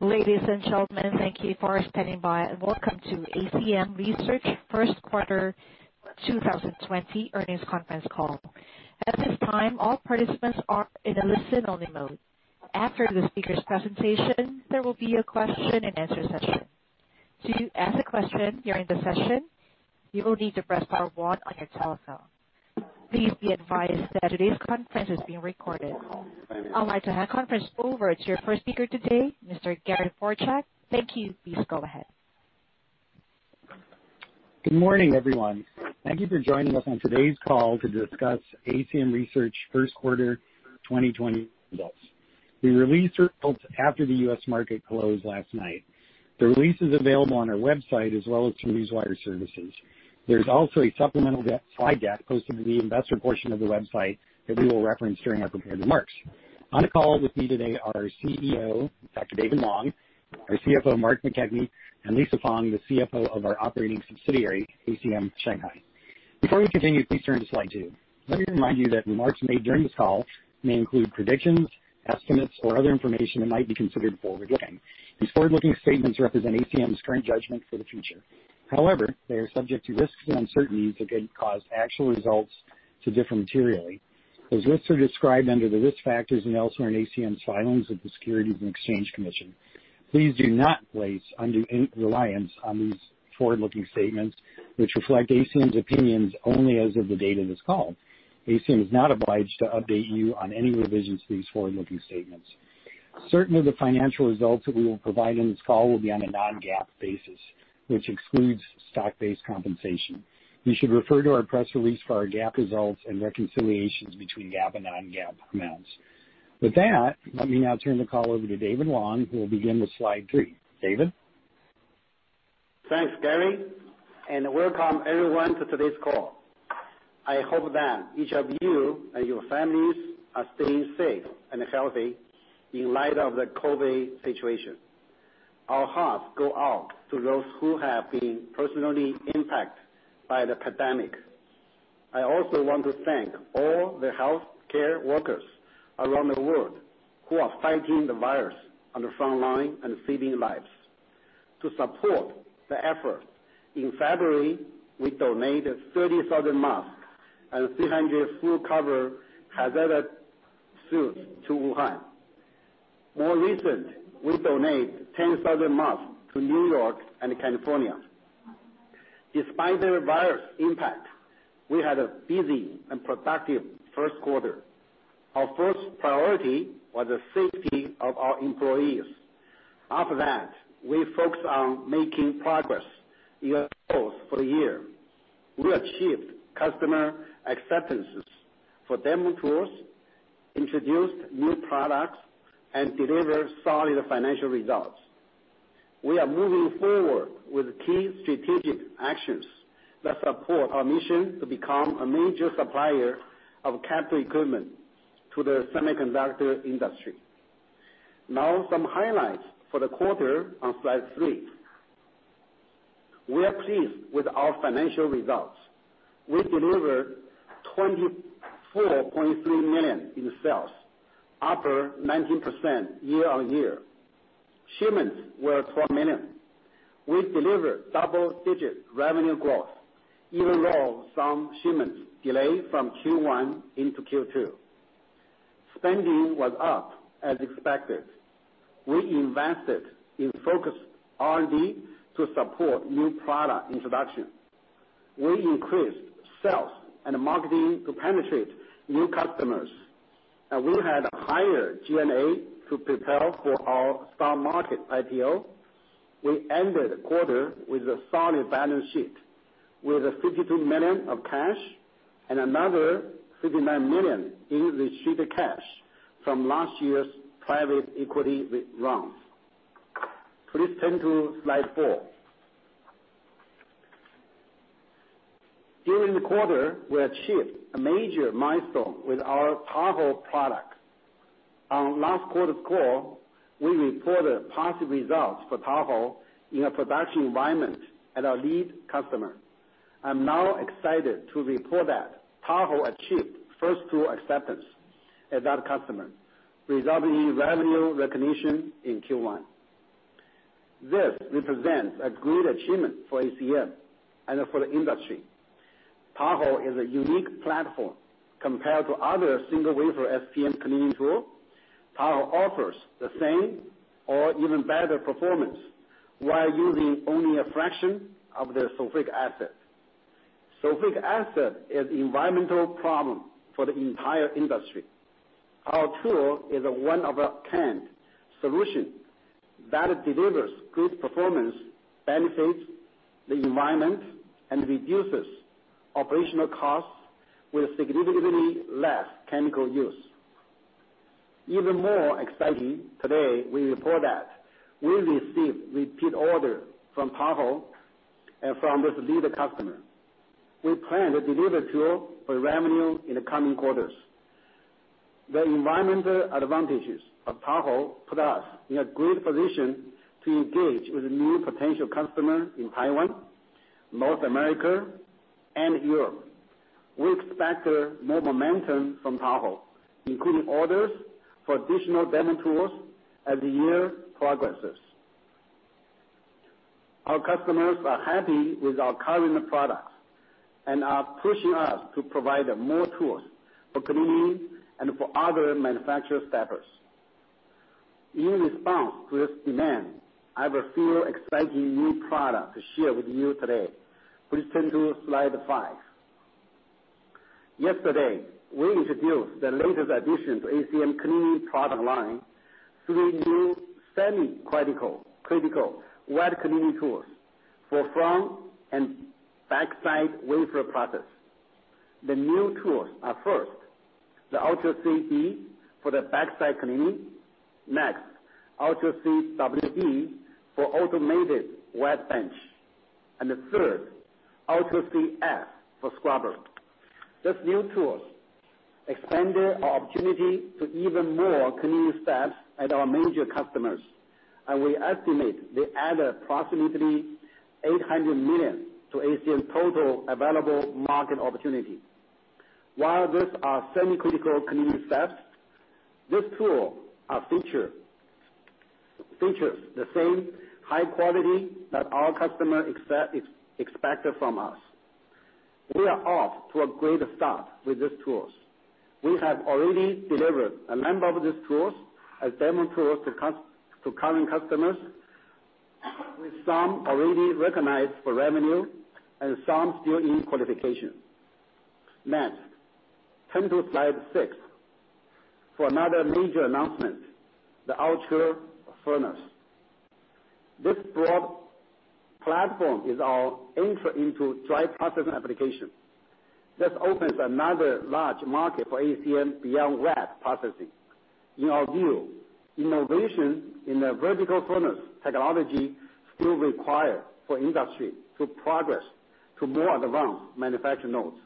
Ladies and gentlemen, thank you for standing by, and welcome to ACM Research first quarter 2020 earnings conference call. At this time, all participants are in a listen-only mode. After the speaker's presentation, there will be a question-and-answer session. To ask a question during the session, you will need to press star one on your telephone. Please be advised that today's conference is being recorded. I'd like to hand the conference over to your first speaker today, Mr. Gary Dvorchak. Thank you. Please go ahead. Good morning, everyone. Thank you for joining us on today's call to discuss ACM Research first quarter 2020 results. We released results after the U.S. market closed last night. The release is available on our website as well as through newswire services. There is also a supplemental Slide deck posted to the investor portion of the website that we will reference during our prepared remarks. On the call with me today are CEO, Dr. David Wang, our CFO, Mark McKechnie, and Lisa Fang, the CFO of our operating subsidiary, ACM Shanghai. Before we continue, please turn to Slide two. Let me remind you that remarks made during this call may include predictions, estimates, or other information that might be considered forward-looking. These forward-looking statements represent ACM's current judgment for the future. However, they are subject to risks and uncertainties that could cause actual results to differ materially. Those risks are described under the risk factors and elsewhere in ACM's filings with the Securities and Exchange Commission. Please do not place any reliance on these forward-looking statements, which reflect ACM's opinions only as of the date of this call. ACM is not obliged to update you on any revisions to these forward-looking statements. Certainly, the financial results that we will provide in this call will be on a non-GAAP basis, which excludes stock-based compensation. You should refer to our press release for our GAAP results and reconciliations between GAAP and non-GAAP amounts. With that, let me now turn the call over to David Wang, who will begin with Slide three. David? Thanks, Gary. Welcome, everyone, to today's call. I hope that each of you and your families are staying safe and healthy in light of the COVID situation. Our hearts go out to those who have been personally impacted by the pandemic. I also want to thank all the healthcare workers around the world who are fighting the virus on the front line and saving lives. To support the effort, in February, we donated 30,000 masks and 300 full-cover hazardous suits to Wuhan. More recently, we donated 10,000 masks to New York and California. Despite the virus impact, we had a busy and productive first quarter. Our first priority was the safety of our employees. After that, we focused on making progress in our goals for the year. We achieved customer acceptance for demo tours, introduced new products, and delivered solid financial results. We are moving forward with key strategic actions that support our mission to become a major supplier of capital equipment to the semiconductor industry. Now, some highlights for the quarter on Slide three. We are pleased with our financial results. We delivered $24.3 million in sales, up 19% year-on-year. Shipments were $12 million. We delivered double-digit revenue growth, even though some shipments delayed from Q1 into Q2. Spending was up as expected. We invested in focused R&D to support new product introduction. We increased sales and marketing to penetrate new customers. We had a higher G&A to prepare for our stock market IPO. We ended the quarter with a solid balance sheet, with $52 million of cash and another $59 million in receipt cash from last year's private equity rounds. Please turn to Slide four. During the quarter, we achieved a major milestone with our Tahoe product. On last quarter's call, we reported positive results for Tahoe in a production environment at our lead customer. I'm now excited to report that Tahoe achieved first-to-acceptance at that customer, resulting in revenue recognition in Q1. This represents a great achievement for ACM and for the industry. Tahoe is a unique platform compared to other single-wafer SPM cleaning tools. Tahoe offers the same or even better performance while using only a fraction of the sulfuric acid. Sulfuric acid is an environmental problem for the entire industry. Our tool is a one-of-a-kind solution that delivers good performance, benefits the environment, and reduces operational costs with significantly less chemical use. Even more exciting, today we report that we received repeat orders for Tahoe from this lead customer. We plan to deliver tool for revenue in the coming quarters. The environmental advantages of Tahoe put us in a great position to engage with new potential customers in Taiwan, North America, and Europe. We expect more momentum from Tahoe, including orders for additional demo tools as the year progresses. Our customers are happy with our current products and are pushing us to provide more tools for cleaning and for other manufacturer staffers. In response to this demand, I have a few exciting new products to share with you today. Please turn to Slide five. Yesterday, we introduced the latest addition to ACM cleaning product line, three new semi-critical wet cleaning tools for front and backside wafer process. The new tools are first, the Ultra 3D for the backside cleaning. Next, Ultra 3WD for automated wet bench. And the third, Ultra 3F for scrubber. These new tools expanded our opportunity to even more cleaning staff at our major customers. We estimate they added approximately $800 million to ACM's total available market opportunity. While these are semi-critical cleaning steps, these tools feature the same high quality that our customers expected from us. We are off to a great start with these tools. We have already delivered a number of these tools as demo tools to current customers, with some already recognized for revenue and some still in qualification. Next, turn to Slide six for another major announcement, the Ultra Furnace. This broad platform is our entry into dry processing application. This opens another large market for ACM beyond wet processing. In our view, innovation in the vertical furnace technology is still required for industry to progress to more advanced manufacturing nodes.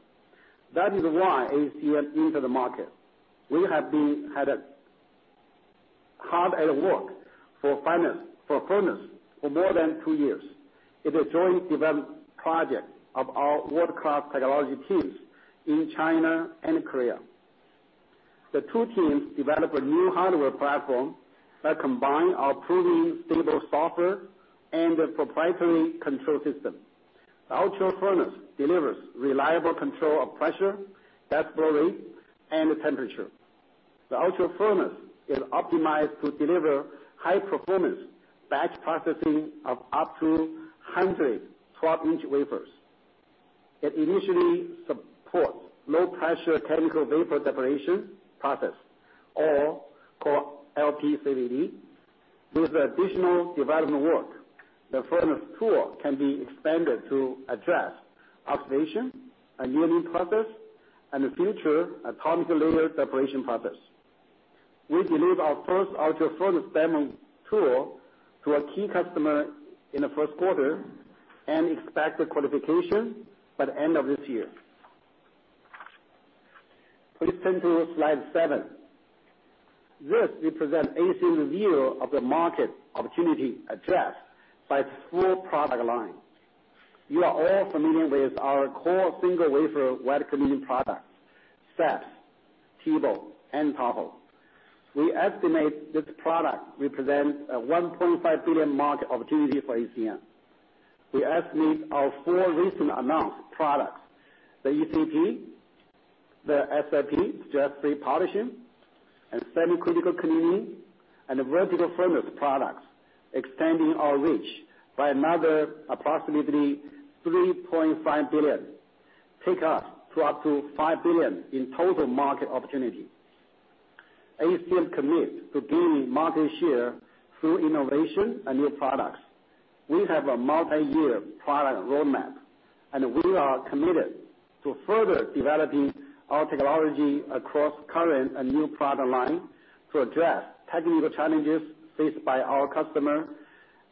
That is why ACM entered the market. We have been hard at work for furnace for more than two years. It is a joint development project of our world-class technology teams in China and Korea. The two teams developed a new hardware platform that combines our proven stable software and proprietary control system. The Ultra Furnace delivers reliable control of pressure, depth, and temperature. The Ultra Furnace is optimized to deliver high-performance batch processing of up to 112-inch wafers. It initially supports low-pressure chemical vapor deposition process, or called LPCVD. With additional development work, the furnace tool can be expanded to address oxidation, annealing process, and future atomic layer deposition process. We delivered our first Ultra Furnace demo tool to a key customer in the first quarter and expect the qualification by the end of this year. Please turn to Slide seven. This represents ACM's view of the market opportunity addressed by its full product line. You are all familiar with our core single-wafer wet cleaning product: SPMs, Tahoe, and TEBO. We estimate this product represents a $1.5 billion market opportunity for ACM. We estimate our four recent announced products: the ECP, the SFP stress-free polishing, and semi-critical cleaning, and the vertical furnace products, extending our reach by another approximately $3.5 billion, taking us to up to $5 billion in total market opportunity. ACM commits to gaining market share through innovation and new products. We have a multi-year product roadmap, and we are committed to further developing our technology across current and new product lines to address technical challenges faced by our customers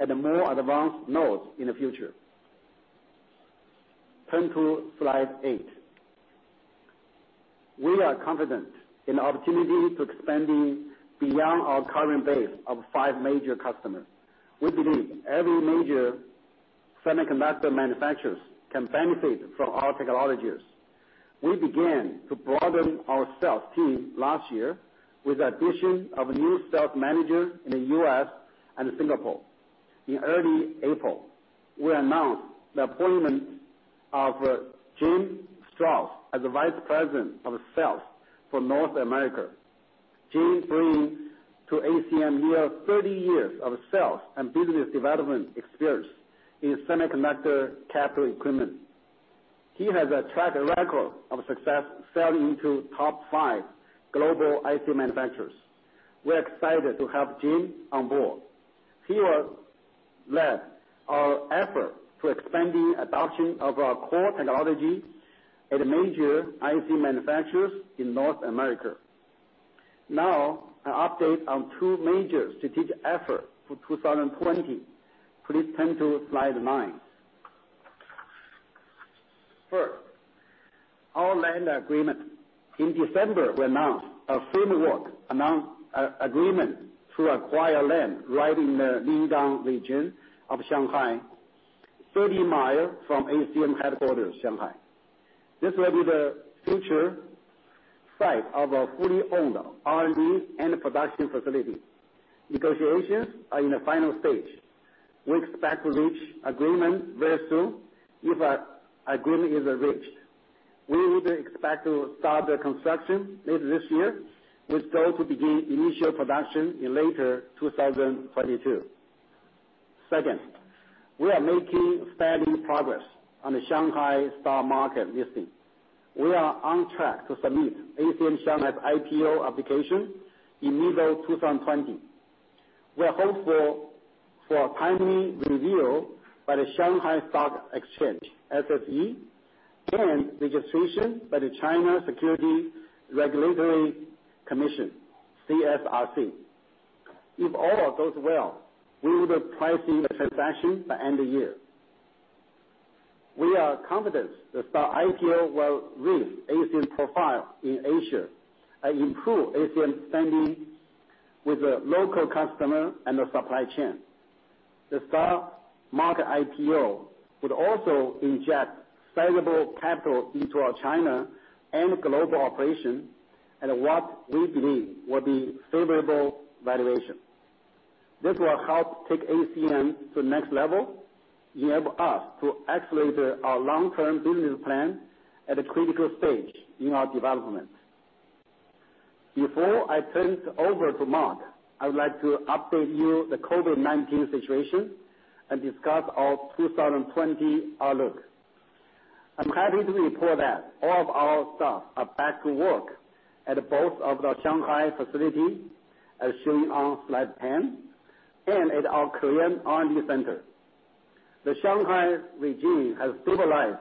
and more advanced nodes in the future. Turn to Slide eight. We are confident in the opportunity to expand beyond our current base of five major customers. We believe every major semiconductor manufacturer can benefit from our technologies. We began to broaden our sales team last year with the addition of a new sales manager in the U.S. and Singapore. In early April, we announced the appointment of Jim Strauss as the Vice President of Sales for North America. Jim brings to ACM nearly 30 years of sales and business development experience in semiconductor capital equipment. He has a track record of success selling into top five global IC manufacturers. We are excited to have Jim on board. He will lead our effort to expand adoption of our core technology at major IC manufacturers in North America. Now, an update on two major strategic efforts for 2020. Please turn to Slide nine. First, our land agreement. In December, we announced a framework agreement to acquire land right in the Lingang region of Shanghai, 30 miles from ACM headquarters, Shanghai. This will be the future site of a fully owned R&D and production facility. Negotiations are in the final stage. We expect to reach agreement very soon. If our agreement is reached, we would expect to start the construction later this year, which is going to begin initial production in later 2022. Second, we are making steady progress on the Shanghai stock market listing. We are on track to submit ACM Shanghai's IPO application in mid-2020. We are hopeful for a timely review by the Shanghai Stock Exchange (SSE) and registration by the China Securities Regulatory Commission (CSRC). If all goes well, we will be pricing the transaction by end of the year. We are confident the stock IPO will raise ACM's profile in Asia and improve ACM's standing with the local customers and the supply chain. The stock market IPO would also inject sizable capital into our China and global operations at what we believe will be favorable valuation. This will help take ACM to the next level, enable us to accelerate our long-term business plan at a critical stage in our development. Before I turn over to Mark, I would like to update you on the COVID-19 situation and discuss our 2020 outlook. I'm happy to report that all of our staff are back to work at both of the Shanghai facilities, as shown on Slide 10, and at our Korean R&D center. The Shanghai region has stabilized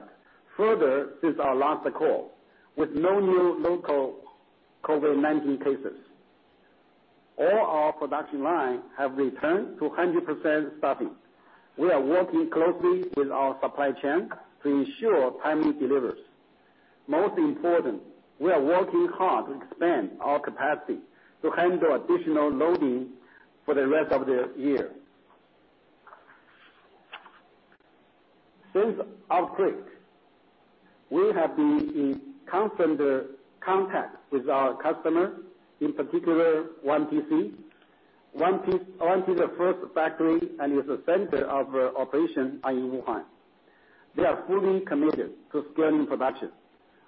further since our last call, with no new local COVID-19 cases. All our production lines have returned to 100% stocking. We are working closely with our supply chain to ensure timely deliveries. Most importantly, we are working hard to expand our capacity to handle additional loading for the rest of the year. Since outbreak, we have been in constant contact with our customers, in particular YMTC. YMTC is the first factory and is the center of operation in Wuhan. They are fully committed to scaling production.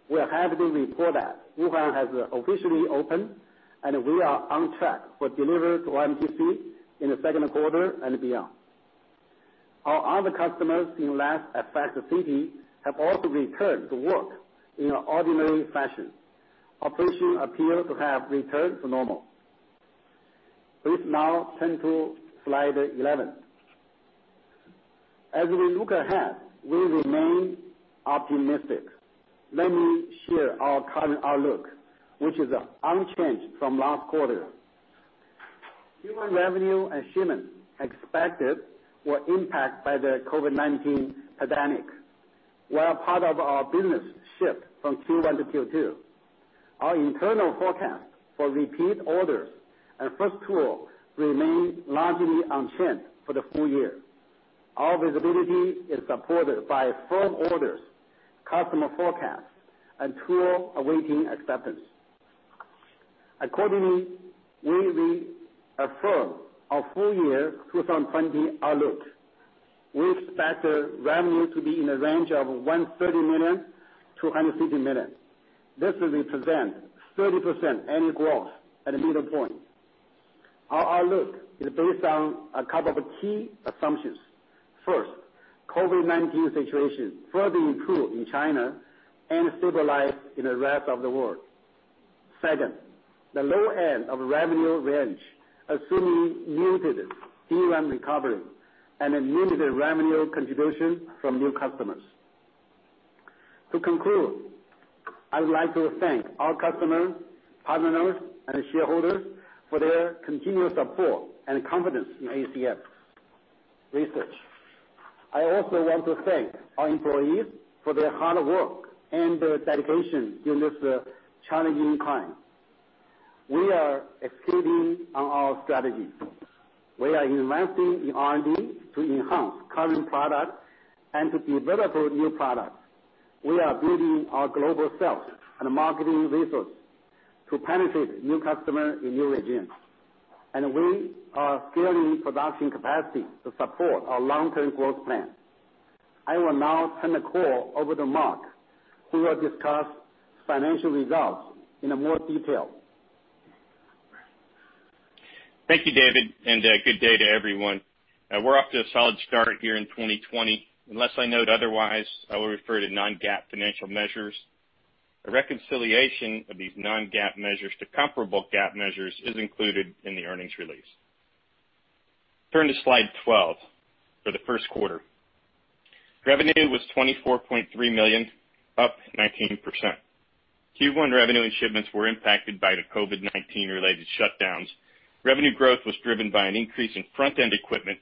We are happy to report that Wuhan has officially opened, and we are on track for delivery to YMTC in the second quarter and beyond. Our other customers in last effect city have also returned to work in an ordinary fashion. Operations appear to have returned to normal. Please now turn to Slide 11. As we look ahead, we remain optimistic. Let me share our current outlook, which is unchanged from last quarter. Human revenue achievements expected were impacted by the COVID-19 pandemic, while part of our business shifted from Q1-Q2. Our internal forecast for repeat orders and first tour remained largely unchanged for the full year. Our visibility is supported by firm orders, customer forecasts, and tour awaiting acceptance. Accordingly, we reaffirm our full-year 2020 outlook. We expect revenue to be in the range of $130 million-$150 million. This represents 30% annual growth at the middle point. Our outlook is based on a couple of key assumptions. First, COVID-19 situation further improved in China and stabilized in the rest of the world. Second, the low end of revenue range, assuming muted DRAM recovery and limited revenue contribution from new customers. To conclude, I would like to thank our customers, partners, and shareholders for their continued support and confidence in ACM Research. I also want to thank our employees for their hard work and dedication during this challenging time. We are executing on our strategy. We are investing in R&D to enhance current products and to develop new products. We are building our global sales and marketing resources to penetrate new customers in new regions. We are scaling production capacity to support our long-term growth plan. I will now turn the call over to Mark, who will discuss financial results in more detail. Thank you, David, and good day to everyone. We're off to a solid start here in 2020. Unless I note otherwise, I will refer to non-GAAP financial measures. A reconciliation of these non-GAAP measures to comparable GAAP measures is included in the earnings release. Turn to Slide 12 for the first quarter. Revenue was $24.3 million, up 19%. Q1 revenue and shipments were impacted by the COVID-19-related shutdowns. Revenue growth was driven by an increase in front-end equipment,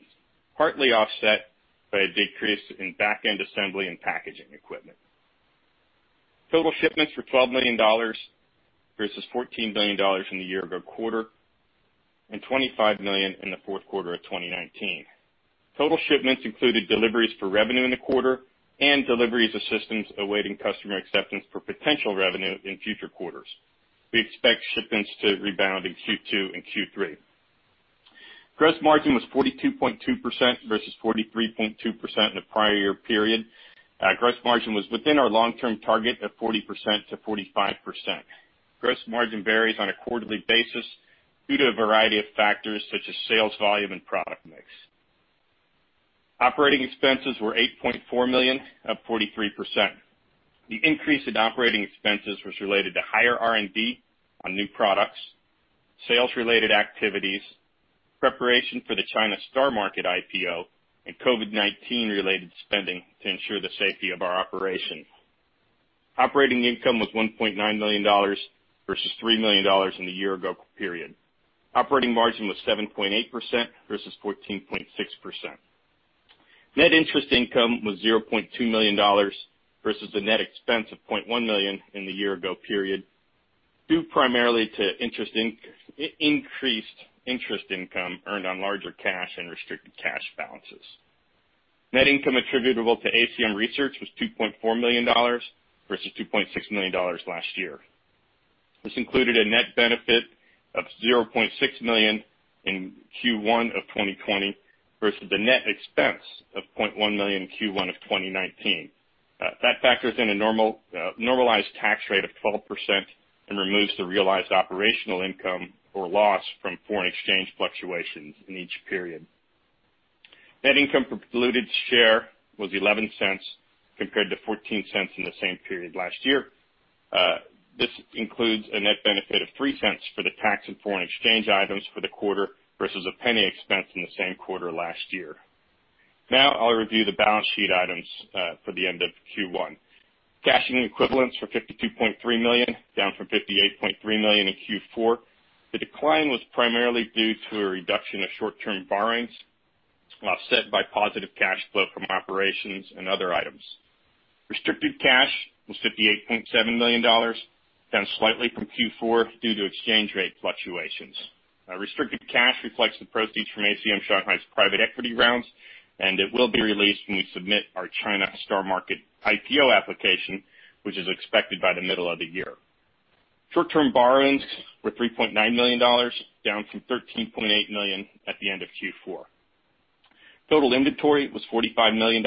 partly offset by a decrease in back-end assembly and packaging equipment. Total shipments were $12 million versus $14 million in the year-ago quarter and $25 million in the fourth quarter of 2019. Total shipments included deliveries for revenue in the quarter and deliveries of systems awaiting customer acceptance for potential revenue in future quarters. We expect shipments to rebound in Q2 and Q3. Gross margin was 42.2% versus 43.2% in the prior year period. Gross margin was within our long-term target of 40%-45%. Gross margin varies on a quarterly basis due to a variety of factors such as sales volume and product mix. Operating expenses were $8.4 million, up 43%. The increase in operating expenses was related to higher R&D on new products, sales-related activities, preparation for the China STAR Market IPO, and COVID-19-related spending to ensure the safety of our operation. Operating income was $1.9 million versus $3 million in the year-ago period. Operating margin was 7.8% versus 14.6%. Net interest income was $0.2 million versus the net expense of $0.1 million in the year-ago period, due primarily to increased interest income earned on larger cash and restricted cash balances. Net income attributable to ACM Research was $2.4 million versus $2.6 million last year. This included a net benefit of $0.6 million in Q1 of 2020 versus the net expense of $0.1 million in Q1 of 2019. That factors in a normalized tax rate of 12% and removes the realized operational income or loss from foreign exchange fluctuations in each period. Net income for diluted share was 11 cents compared to 14 cents in the same period last year. This includes a net benefit of $0.03 for the tax and foreign exchange items for the quarter versus a penny expense in the same quarter last year. Now, I'll review the balance sheet items for the end of Q1. Cash and equivalents were $52.3 million, down from $58.3 million in Q4. The decline was primarily due to a reduction of short-term borrowings offset by positive cash flow from operations and other items. Restricted cash was $58.7 million, down slightly from Q4 due to exchange rate fluctuations. Restricted cash reflects the proceeds from ACM Shanghai's private equity rounds, and it will be released when we submit our China STAR Market IPO application, which is expected by the middle of the year. Short-term borrowings were $3.9 million, down from $13.8 million at the end of Q4. Total inventory was $45 million.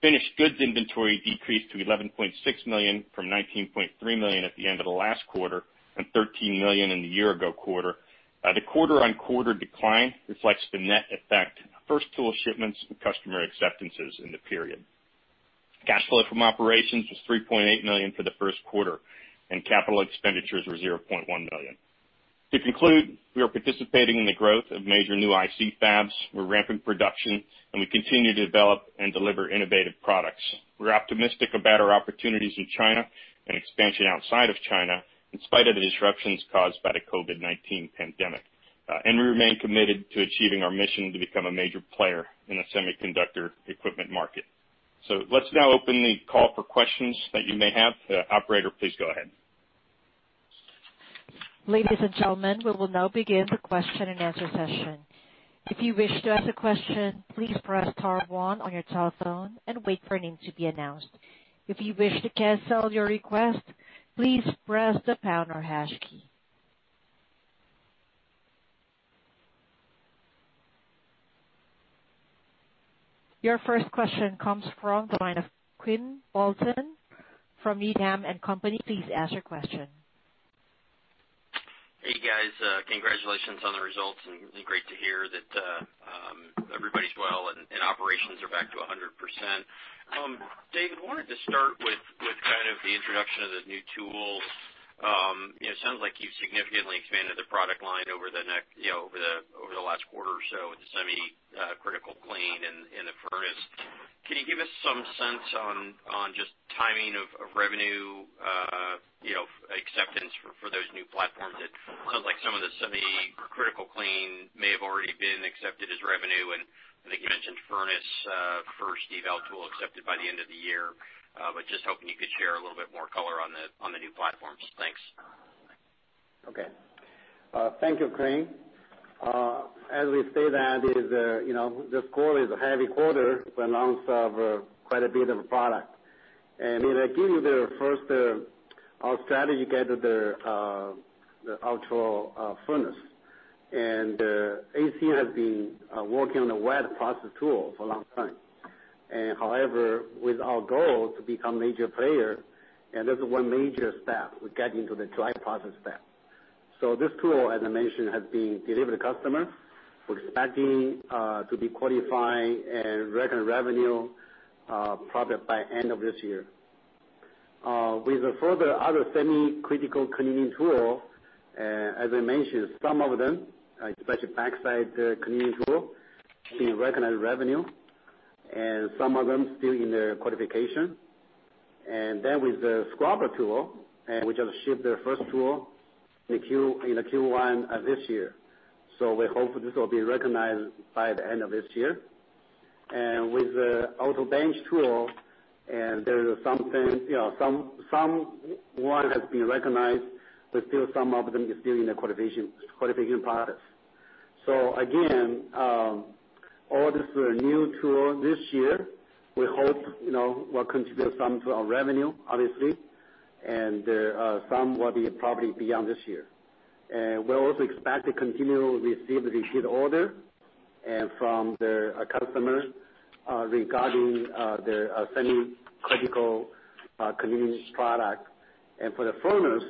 Finished goods inventory decreased to $11.6 million from $19.3 million at the end of the last quarter and $13 million in the year-ago quarter. The quarter-on-quarter decline reflects the net effect of first-tool shipments and customer acceptances in the period. Cash flow from operations was $3.8 million for the first quarter, and capital expenditures were $0.1 million. To conclude, we are participating in the growth of major new IC fabs. We're ramping production, and we continue to develop and deliver innovative products. We're optimistic about our opportunities in China and expansion outside of China, in spite of the disruptions caused by the COVID-19 pandemic. We remain committed to achieving our mission to become a major player in the semiconductor equipment market. Let's now open the call for questions that you may have. Operator, please go ahead. Ladies and gentlemen, we will now begin the question-and-answer session. If you wish to ask a question, please press star one on your telephone and wait for a name to be announced. If you wish to cancel your request, please press the pound or hash key. Your first question comes from the line of Quinn Walton from Needham & Company. Please ask your question. Hey, guys. Congratulations on the results, and great to hear that everybody's well and operations are back to 100%. David, I wanted to start with kind of the introduction of the new tools. It sounds like you've significantly expanded the product line over the last quarter or so with the semi-critical cleaning and the furnace. Can you give us some sense on just timing of revenue acceptance for those new platforms? It sounds like some of the semi-critical cleaning may have already been accepted as revenue, and I think you mentioned furnace first eval tool accepted by the end of the year. Just hoping you could share a little bit more color on the new platforms. Thanks. Okay. Thank you, Quinn. As we say that, this quarter is a heavy quarter to announce quite a bit of product. We are giving you the first strategy guide with the Ultra Furnace. ACM has been working on the wet process tool for a long time. However, with our goal to become a major player, and this is one major step, we are getting to the dry process step. This tool, as I mentioned, has been delivered to customers. We are expecting to be qualified and recognized revenue probably by the end of this year. With the further other semi-critical cleaning tool, as I mentioned, some of them, especially backside cleaning tool, have been recognized revenue, and some of them still in their qualification. With the scrubber tool, we just shipped the first tool in Q1 of this year. We hope this will be recognized by the end of this year. With the auto bench tool, there is some that has been recognized, but still some of them are still in the qualification process. Again, all this new tool this year, we hope will contribute some to our revenue, obviously, and some will be probably beyond this year. We also expect to continue to receive the repeat order from the customers regarding their semi-critical cleaning product. For the furnace,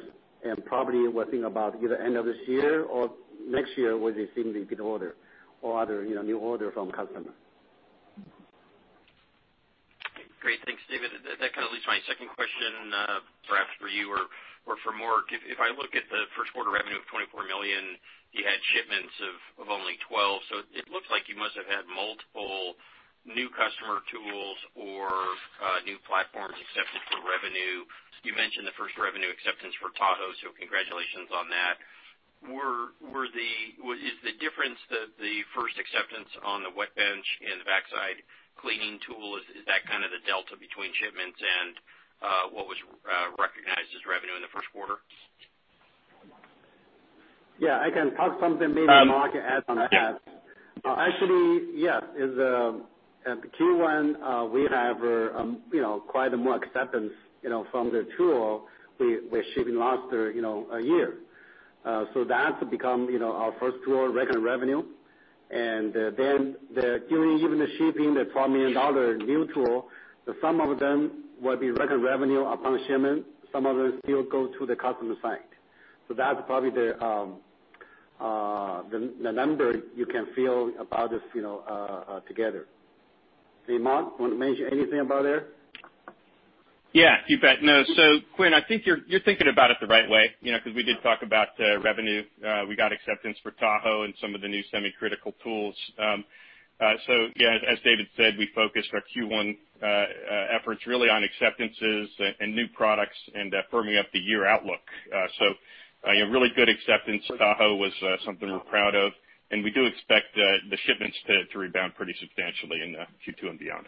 and probably we're thinking about either the end of this year or next year, we'll receive the repeat order or other new order from customers. Great. Thanks, David. That kind of leads to my second question, perhaps for you or for Mark. If I look at the first quarter revenue of $24 million, you had shipments of only 12. It looks like you must have had multiple new customer tools or new platforms accepted for revenue. You mentioned the first revenue acceptance for Tahoe, so congratulations on that. Is the difference that the first acceptance on the wet bench and the backside cleaning tool, is that kind of the delta between shipments and what was recognized as revenue in the first quarter? Yeah. I can talk something maybe Mark can add on that. Actually, yes. At Q1, we have quite a more acceptance from the tool we were shipping last year. So that becomes our first tool record revenue. And then during even the shipping, the $12 million new tool, some of them will be record revenue upon shipment. Some of them still go to the customer side. So that's probably the number you can feel about this together. Hey, Mark, want to mention anything about there? Yeah. You bet. No. So Quinn, I think you're thinking about it the right way because we did talk about revenue. We got acceptance for Tahoe and some of the new semi-critical tools. Yeah, as David said, we focused our Q1 efforts really on acceptances and new products and firming up the year outlook. Really good acceptance. Tahoe was something we're proud of. We do expect the shipments to rebound pretty substantially in Q2 and beyond.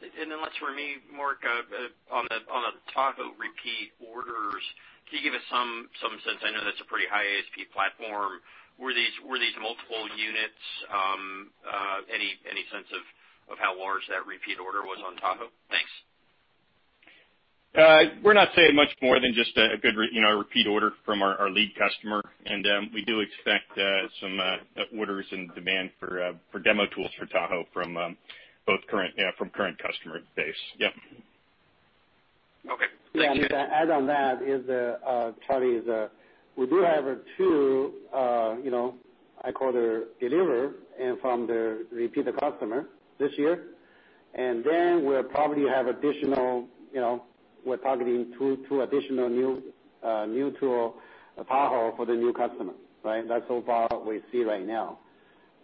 Let's remain Mark on the Tahoe repeat orders. Can you give us some sense? I know that's a pretty high ASP platform. Were these multiple units? Any sense of how large that repeat order was on Tahoe? Thanks. We're not saying much more than just a good repeat order from our lead customer. We do expect some orders and demand for demo tools for Tahoe from both current customer base. Yep. Okay. Thanks, David. To add on that, we do have a two, I call it a deliver, and from the repeat customer this year. We will probably have additional, we are targeting two additional new tools for Tahoe for the new customer, right? That is so far we see right now.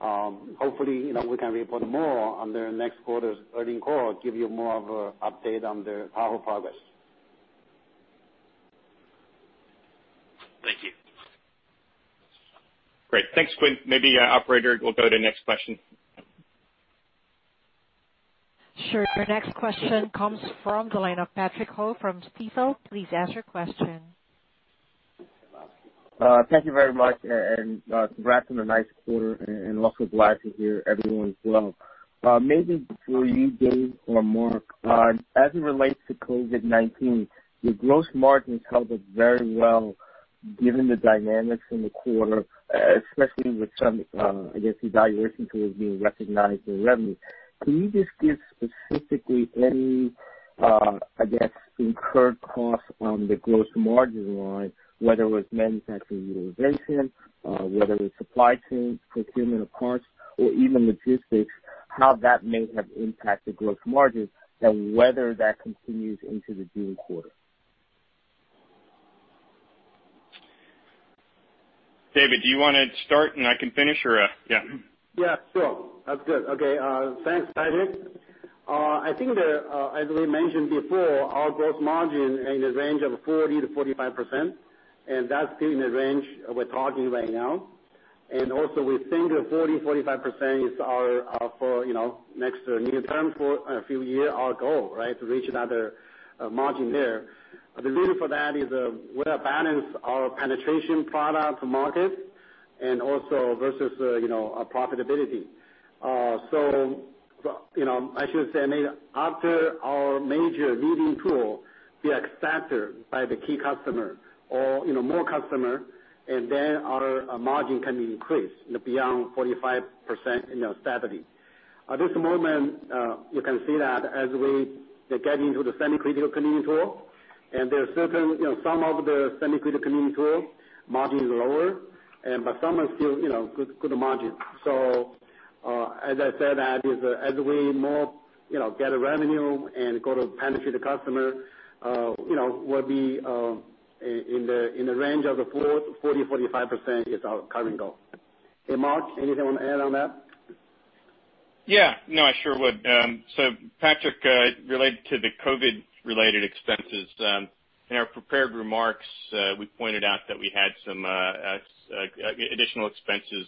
Hopefully, we can report more on their next quarter's earning call, give you more of an update on their Tahoe progress. Thank you. Great. Thanks, Quinn. Maybe Operator will go to the next question. Sure. Our next question comes from the line of Patrick Ho from Stifel. Please ask your question. Thank you very much. Congrats on the nice quarter, and lots of blessings here everyone as well. Maybe for you, David or Mark, as it relates to COVID-19, your gross margins held up very well given the dynamics in the quarter, especially with some, I guess, evaluation tools being recognized in revenue. Can you just give specifically any, I guess, incurred costs on the gross margin line, whether it was manufacturing utilization, whether it was supply chain, procurement of parts, or even logistics, how that may have impacted gross margin, and whether that continues into the June quarter? David, do you want to start and I can finish or? Yeah. Yeah. Sure. That's good. Okay. Thanks, Patrick. I think, as we mentioned before, our gross margin is in the range of 40%-45%, and that's still in the range we're talking right now. We think the 40%-45% is our next near-term for a few years, our goal, right, to reach another margin there. The reason for that is we're balancing our penetration product market and also versus profitability. I should say, I mean, after our major leading tool be accepted by the key customer or more customers, and then our margin can be increased beyond 45% in the stability. At this moment, you can see that as we get into the semi-critical cleaning tool, and there's certain some of the semi-critical cleaning tool margin is lower, but some are still good margins. As I said, as we more get revenue and go to penetrate the customer, we'll be in the range of the 40%-45% is our current goal. Hey, Mark, anything you want to add on that? Yeah. No, I sure would. Patrick, related to the COVID-related expenses, in our prepared remarks, we pointed out that we had some additional expenses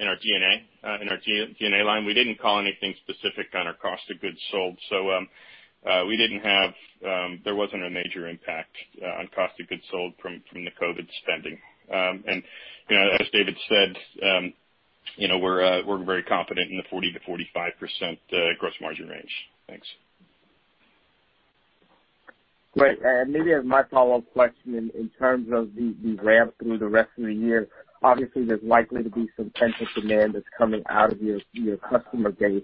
in our G&A, in our G&A line. We did not call anything specific on our cost of goods sold. We did not have, there was not a major impact on cost of goods sold from the COVID spending. As David said, we are very confident in the 40%-45% gross margin range. Thanks. Great. Maybe as my follow-up question, in terms of the ramp through the rest of the year, obviously, there is likely to be some central demand that is coming out of your customer base.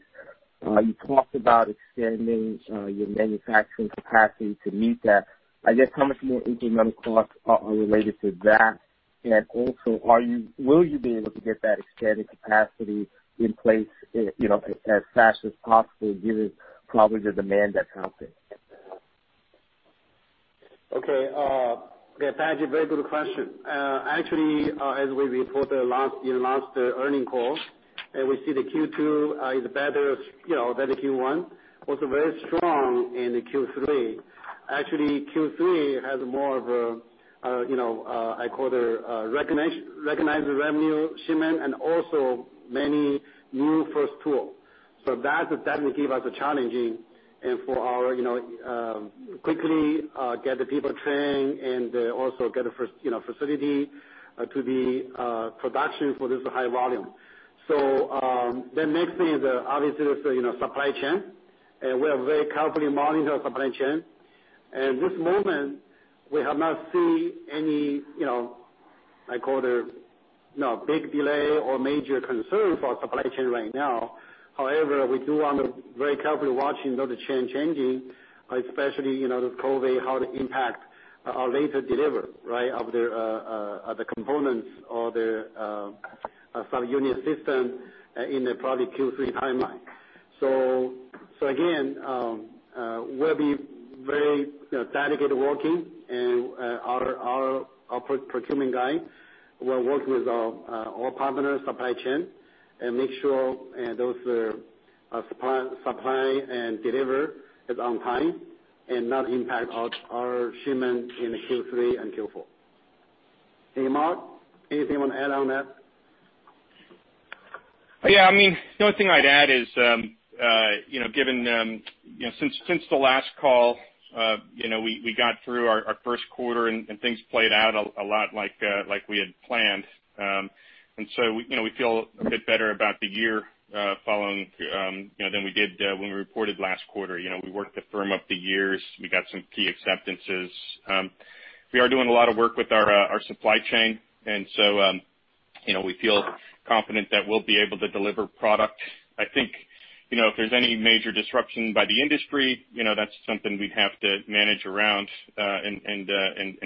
You talked about extending your manufacturing capacity to meet that. I guess how much more incremental costs are related to that? Will you be able to get that expanded capacity in place as fast as possible, given probably the demand that's out there? Okay. Thank you. Very good question. Actually, as we reported in last earning call, we see the Q2 is better than the Q1. It was very strong in the Q3. Actually, Q3 has more of a, I call it a recognized revenue shipment and also many new first tools. That definitely gives us a challenging and for our quickly get the people trained and also get the first facility to be production for this high volume. The next thing is, obviously, the supply chain. We are very carefully monitoring our supply chain. At this moment, we have not seen any, I call it, big delay or major concern for our supply chain right now. However, we do want to very carefully watching those trends changing, especially this COVID, how it impacts our later delivery, right, of the components or the subunit system in the probably Q3 timeline. Again, we'll be very dedicated working, and our procurement guy will work with all partners, supply chain, and make sure those supply and delivery is on time and not impact our shipment in Q3 and Q4. Hey, Mark, anything you want to add on that? Yeah. I mean, the only thing I'd add is, given since the last call, we got through our first quarter, and things played out a lot like we had planned. We feel a bit better about the year following than we did when we reported last quarter. We worked the firm up the years. We got some key acceptances. We are doing a lot of work with our supply chain, and so we feel confident that we'll be able to deliver product. I think if there's any major disruption by the industry, that's something we'd have to manage around and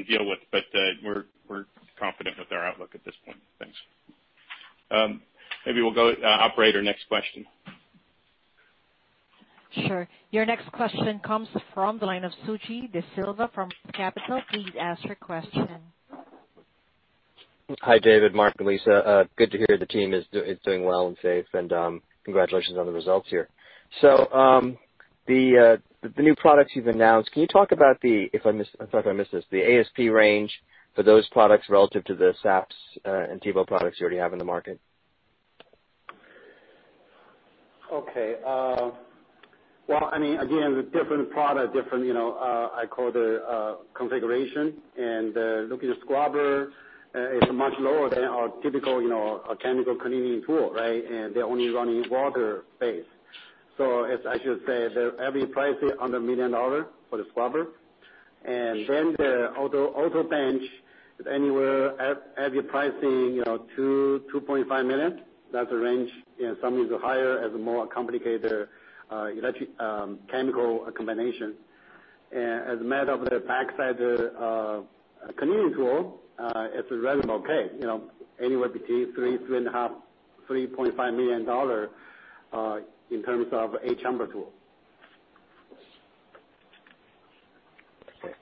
deal with. We are confident with our outlook at this point. Thanks. Maybe we'll go to Operator next question. Sure. Your next question comes from the line of Suji DeSilva from Roth Capital. Please ask your question. Hi, David, Mark and Lisa. Good to hear the team is doing well and safe, and congratulations on the results here. The new products you've announced, can you talk about the—if I'm sorry if I missed this—the ASP range for those products relative to the SPMS and Tahoe products you already have in the market? Okay. I mean, again, the different product, different, I call it, configuration. Looking at the scrubber, it's much lower than our typical chemical cleaning tool, right? They're only running water-based. I should say the average price is under $1 million for the scrubber. The auto bench, anywhere average pricing $2.5 million. That's a range. Some is higher as a more complicated chemical combination. As a matter of the backside cleaning tool, it's reasonably okay. Anywhere between $3 million-$3.5 million, $3.5 million in terms of a chamber tool. Okay.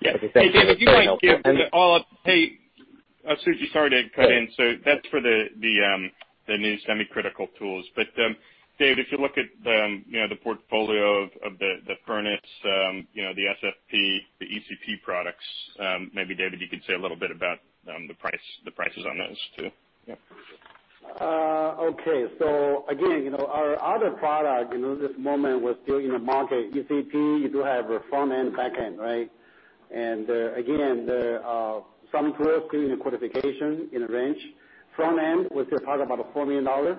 Yeah. Hey, David, you might hear all of—hey, Suji, sorry to cut in. That's for the new semi-critical tools. David, if you look at the portfolio of the furnace, the SFP, the ECP products, maybe David, you could say a little bit about the prices on those too. Yeah. Okay. Again, our other product in this moment was still in the market. ECP, you do have front end, back end, right? Again, some tools still in the qualification in the range. Front end, we still talk about the $4 million.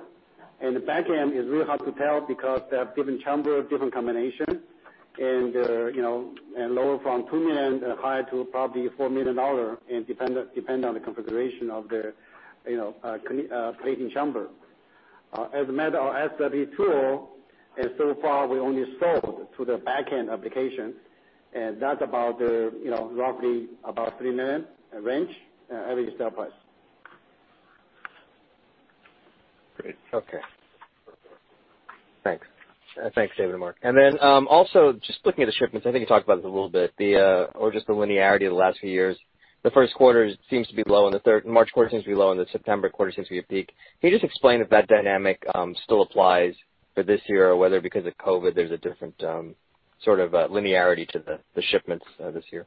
The back end is really hard to tell because they have different chamber, different combination, and lower from $2 million and higher to probably $4 million and depend on the configuration of the plating chamber. As a matter of SFP tool, so far, we only sold to the back end application. That's about roughly about $3 million range average sale price. Great. Okay. Thanks. Thanks, David and Mark. Also, just looking at the shipments, I think you talked about this a little bit, or just the linearity of the last few years. The first quarter seems to be low, and the March quarter seems to be low, and the September quarter seems to be a peak. Can you just explain if that dynamic still applies for this year, or whether because of COVID, there's a different sort of linearity to the shipments this year?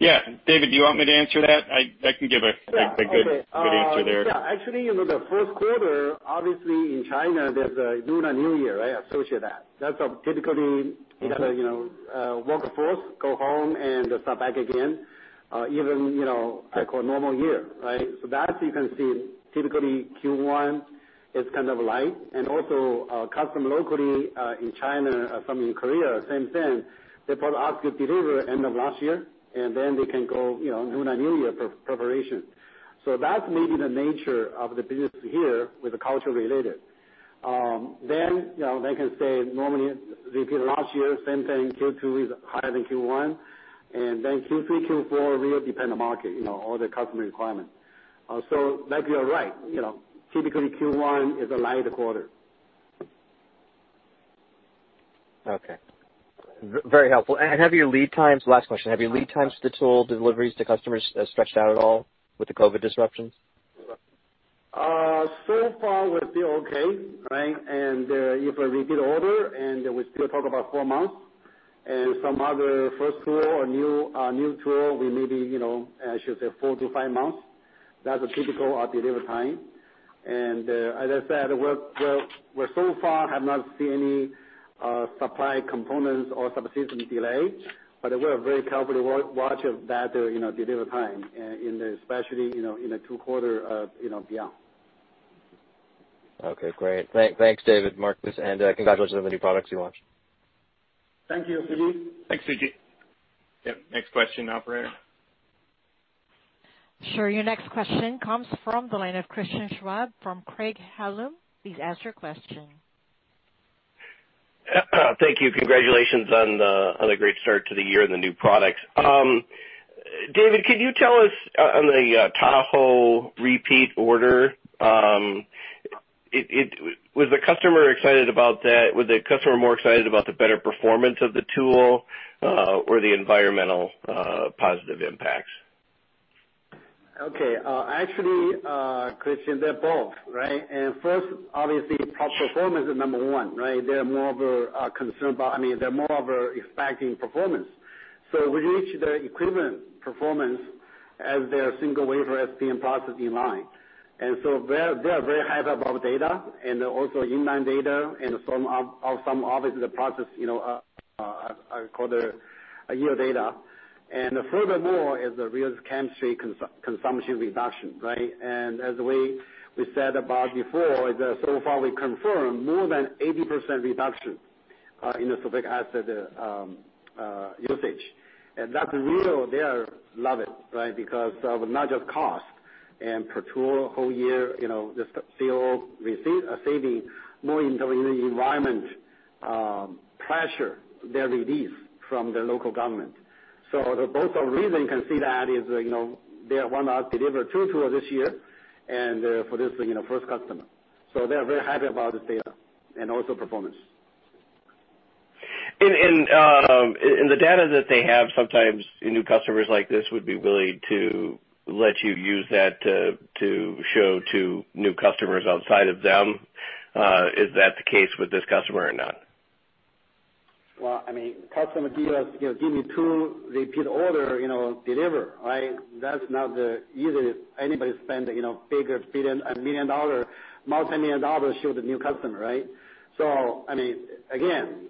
Yeah. David, do you want me to answer that? I can give a good answer there. Yeah. Actually, the first quarter, obviously, in China, there's a Lunar New Year, right, associated with that. That's typically you got a work force, go home, and start back again, even I call it normal year, right? So that's you can see typically Q1 is kind of light. Also, custom locally in China, some in Korea, same thing. They probably ask you to deliver end of last year, and then they can go Lunar New Year preparation. That's maybe the nature of the business here with the culture related. They can say normally repeat last year, same thing, Q2 is higher than Q1. Q3, Q4 really depend on market, all the customer requirements. Like you're right, typically Q1 is a light quarter. Okay. Very helpful. Have your lead times—last question—have your lead times for the tool deliveries to customers stretched out at all with the COVID disruptions? So far, we're still okay, right? If we repeat order, we still talk about four months. Some other first tool or new tool, we maybe, I should say, four to five months. That's a typical delivery time. As I said, we so far have not seen any supply components or subsystem delay, but we're very carefully watching that delivery time, especially in the two quarters beyond. Okay. Great. Thanks, David, Mark, and congratulations on the new products you launched. Thank you, Suji. Thanks, Suji. Yep. Next question, Operator. Sure. Your next question comes from the line of Christian Schwab from Craig-Hallum. Please ask your question. Thank you. Congratulations on the great start to the year and the new products. David, could you tell us on the Tahoe repeat order, was the customer excited about that? Was the customer more excited about the better performance of the tool or the environmental positive impacts? Okay. Actually, Christian, they're both, right? And first, obviously, top performance is number one, right? They're more of a concern about—I mean, they're more of an expecting performance. So we reached their equivalent performance as their single wafer SPM process in line. And so they are very hyped about data and also inline data and some obviously the process, I call it, year data. And furthermore, it's the real chemistry consumption reduction, right? As we said before, so far we confirmed more than 80% reduction in the sulfuric acid usage. That is real. They love it, right? Because of not just cost and per tool whole year, the CO receipt saving more in the environment pressure they release from the local government. Both of the reasons, you can see that is they want us to deliver two tools this year for this first customer. They are very happy about this data and also performance. The data that they have, sometimes new customers like this would be willing to let you use that to show to new customers outside of them. Is that the case with this customer or not? I mean, customer gives us, "Give me two repeat order, deliver," right? That's not easy if anybody spends $1 million, multimillion dollars to show the new customer, right? I mean, again,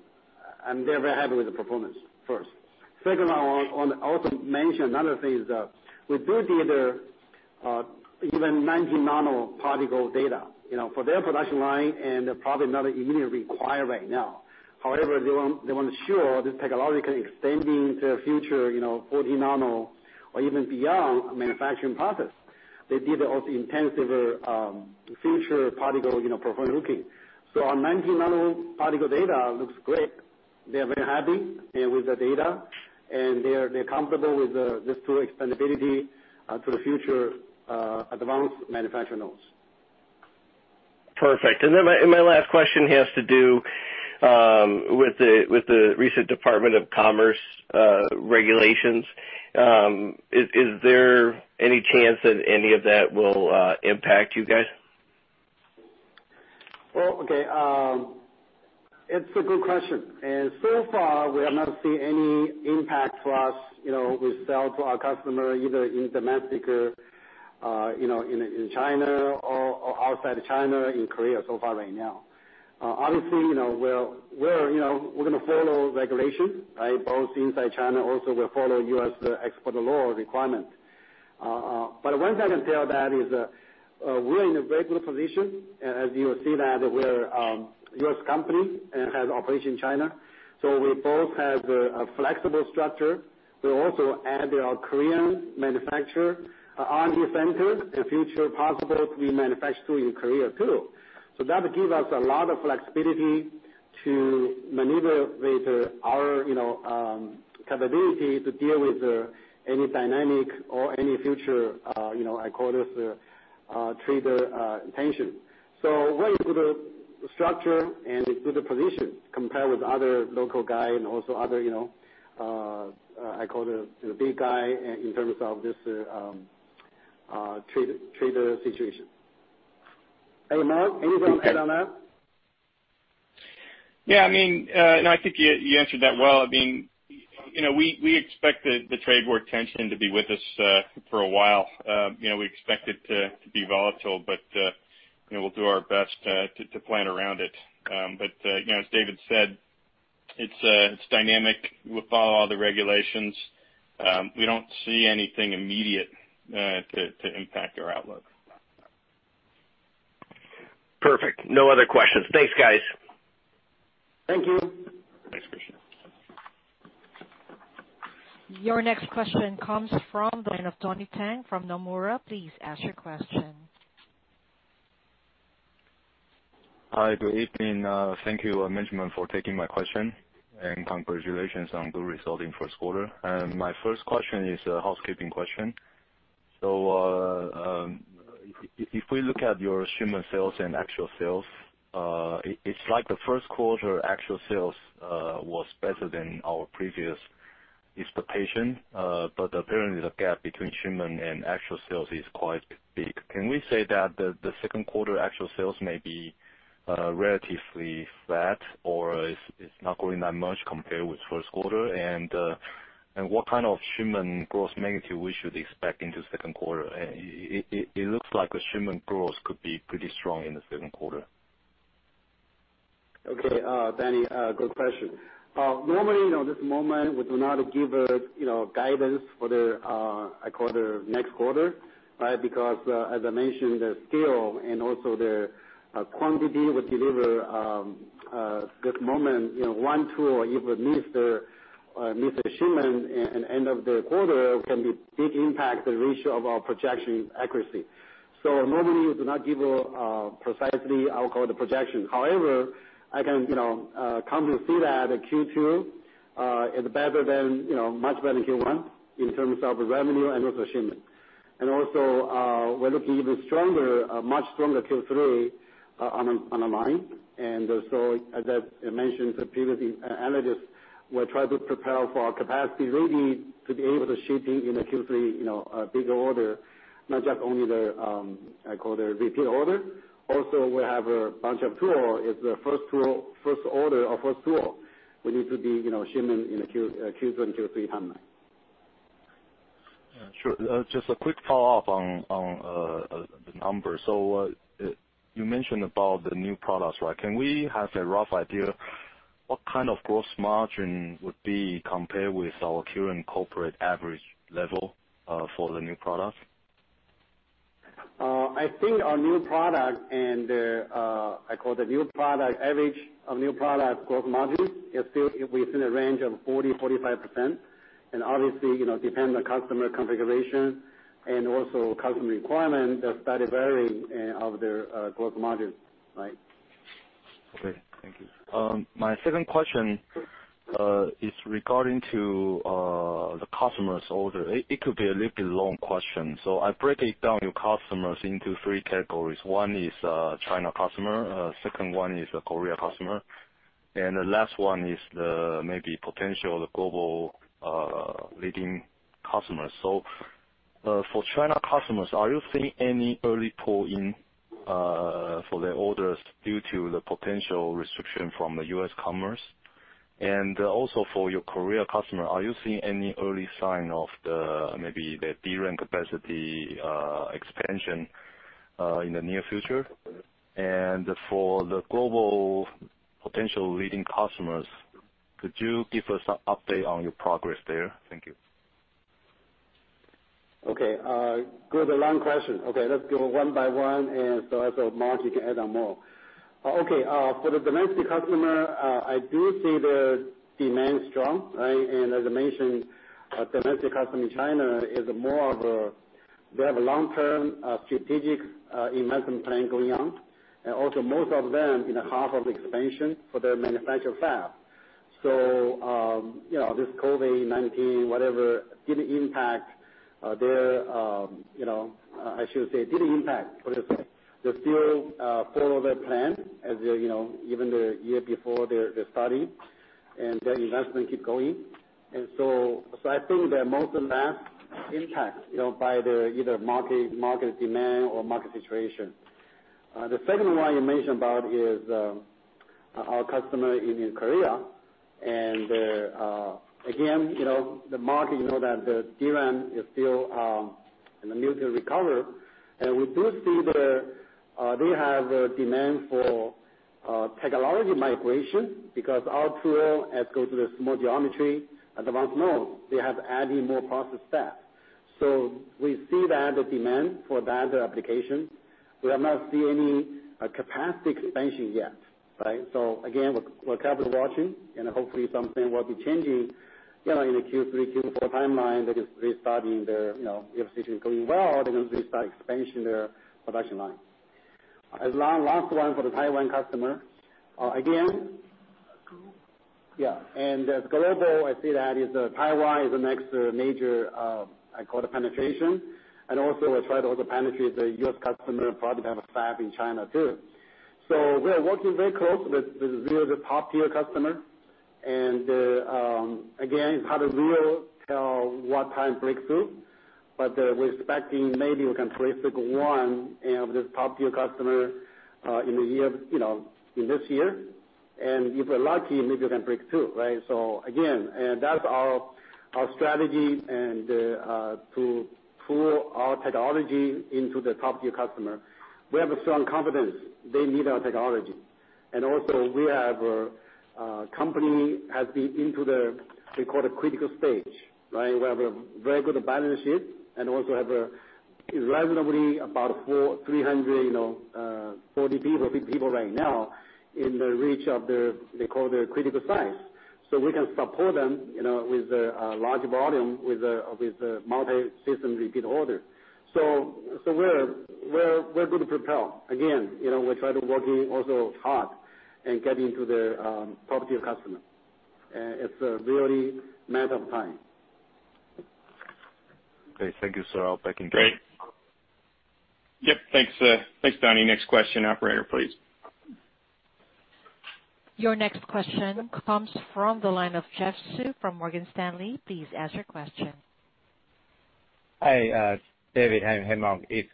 they're very happy with the performance first. Second, I want to also mention another thing is we do deliver even 90 nanoparticle data for their production line and probably not immediately required right now. However, they want to ensure this technology can extend into the future, 40 nano or even beyond manufacturing process. They did also intensive future particle performance looking. Our 90 nanoparticle data looks great. They're very happy with the data, and they're comfortable with this tool expandability to the future advanced manufacturing nodes. Perfect. My last question has to do with the recent Department of Commerce regulations. Is there any chance that any of that will impact you guys? Okay. It's a good question. So far, we have not seen any impact for us. We sell to our customer either in domestic or in China or outside of China in Korea so far right now. Obviously, we're going to follow regulation, right? Both inside China, also we'll follow U.S. export law requirements. One thing I can tell that is we're in a regular position. As you will see that we're a U.S. company and have operation in China. We both have a flexible structure. We also added our Korean manufacturer on the center and future possible to be manufactured in Korea too. That would give us a lot of flexibility to maneuver with our capability to deal with any dynamic or any future, I call it, trader intention. Very good structure and good position compared with other local guy and also other, I call it, big guy in terms of this trader situation. Hey, Mark, anything you want to add on that? Yeah. I mean, no, I think you answered that well. I mean, we expect the trade war tension to be with us for a while. We expect it to be volatile, but we'll do our best to plan around it. As David said, it's dynamic. We'll follow all the regulations. We don't see anything immediate to impact our outlook. Perfect. No other questions. Thanks, guys. Thank you. Your next question comes from the line of Tony Tang from Nomura. Please ask your question. Hi, good evening. Thank you, for taking my question and congratulations on good resulting first quarter. My first question is a housekeeping question. If we look at your shipment sales and actual sales, it's like the first quarter actual sales was better than our previous expectation. Apparently, the gap between shipment and actual sales is quite big. Can we say that the second quarter actual sales may be relatively flat or it's not growing that much compared with first quarter? What kind of shipment growth magnitude should we expect into second quarter? It looks like the shipment growth could be pretty strong in the second quarter. Okay. Tony, good question. Normally, at this moment, we do not give guidance for the, I call it, next quarter, right? As I mentioned, the scale and also the quantity we deliver at this moment, one tool if we miss the shipment at the end of the quarter can be a big impact on the ratio of our projection accuracy. Normally, we do not give precisely, I call it, the projection. However, I can comfortably see that Q2 is better than, much better than, Q1 in terms of revenue and also shipment. Also, we are looking at even stronger, much stronger, Q3 on the line. As I mentioned previously, analysts, we are trying to prepare for our capacity really to be able to ship in a Q3 bigger order, not just only the, I call it, repeat order. Also, we have a bunch of tools. It is the first order or first tool we need to be shipping in the Q2 and Q3 timeline. Yeah. Sure. Just a quick follow-up on the numbers. You mentioned about the new products, right? Can we have a rough idea what kind of gross margin would be compared with our current corporate average level for the new product? I think our new product and the, I call it, new product average of new product gross margin is still within the range of 40%-45%. Obviously, depending on customer configuration and also customer requirement, there's slightly varying of their gross margin, right? Okay. Thank you. My second question is regarding to the customers' order. It could be a little bit long question. I break it down your customers into three categories. One is China customer. Second one is a Korea customer. The last one is maybe potential global leading customers. For China customers, are you seeing any early pull-in for their orders due to the potential restriction from the U.S. commerce? Also for your Korea customer, are you seeing any early sign of maybe their DRAM capacity expansion in the near future? For the global potential leading customers, could you give us an update on your progress there? Thank you. Okay. Good. A long question. Let's go one by one. Mark, you can add on more. For the domestic customer, I do see the demand strong, right? As I mentioned, domestic customer in China is more of a they have a long-term strategic investment plan going on. Also, most of them in the half of the expansion for their manufacturing fab. This COVID-19, whatever, did not impact their, I should say, did not impact, what do you say? They still follow their plan as even the year before their study, and their investment keep going. I think that most of the last impact by either market demand or market situation. The second one you mentioned about is our customer in Korea. Again, the market, you know that the DRAM is still in the middle to recover. We do see they have demand for technology migration because our tool, as goes to the small geometry, advanced nodes, they have added more process staff. We see that the demand for that application. We have not seen any capacity expansion yet, right? We are carefully watching, and hopefully, something will be changing in the Q3, Q4 timeline. They are just restarting their, if the situation is going well, they are going to restart expansion in their production line. Last one for the Taiwan customer. Again, yeah. Global, I see that Taiwan is the next major, I call it, penetration. We are trying to also penetrate the US customer product type of fab in China too. We are working very close with the top-tier customer. It's hard to really tell what time breakthrough, but we're expecting maybe we can trace to one of this top-tier customer in this year. If we're lucky, maybe we can break through, right? That's our strategy to pull our technology into the top-tier customer. We have a strong confidence. They need our technology. Also, we have a company has been into the, we call it, critical stage, right? We have a very good balance sheet and also have a reasonably about 340 people, 50 people right now in the reach of their, they call it, their critical size. We can support them with a large volume with a multi-system repeat order. We're good to propel. We're trying to work in also hard and get into the top-tier customer. It's really a matter of time. Thank you, Sir. I'll back in. Great. Yep. Thanks, Tony. Next question, operator, please. Your next question comes from the line of Charlie Chen from Morgan Stanley. Please ask your question. Hi, David. Hey, Mark. It's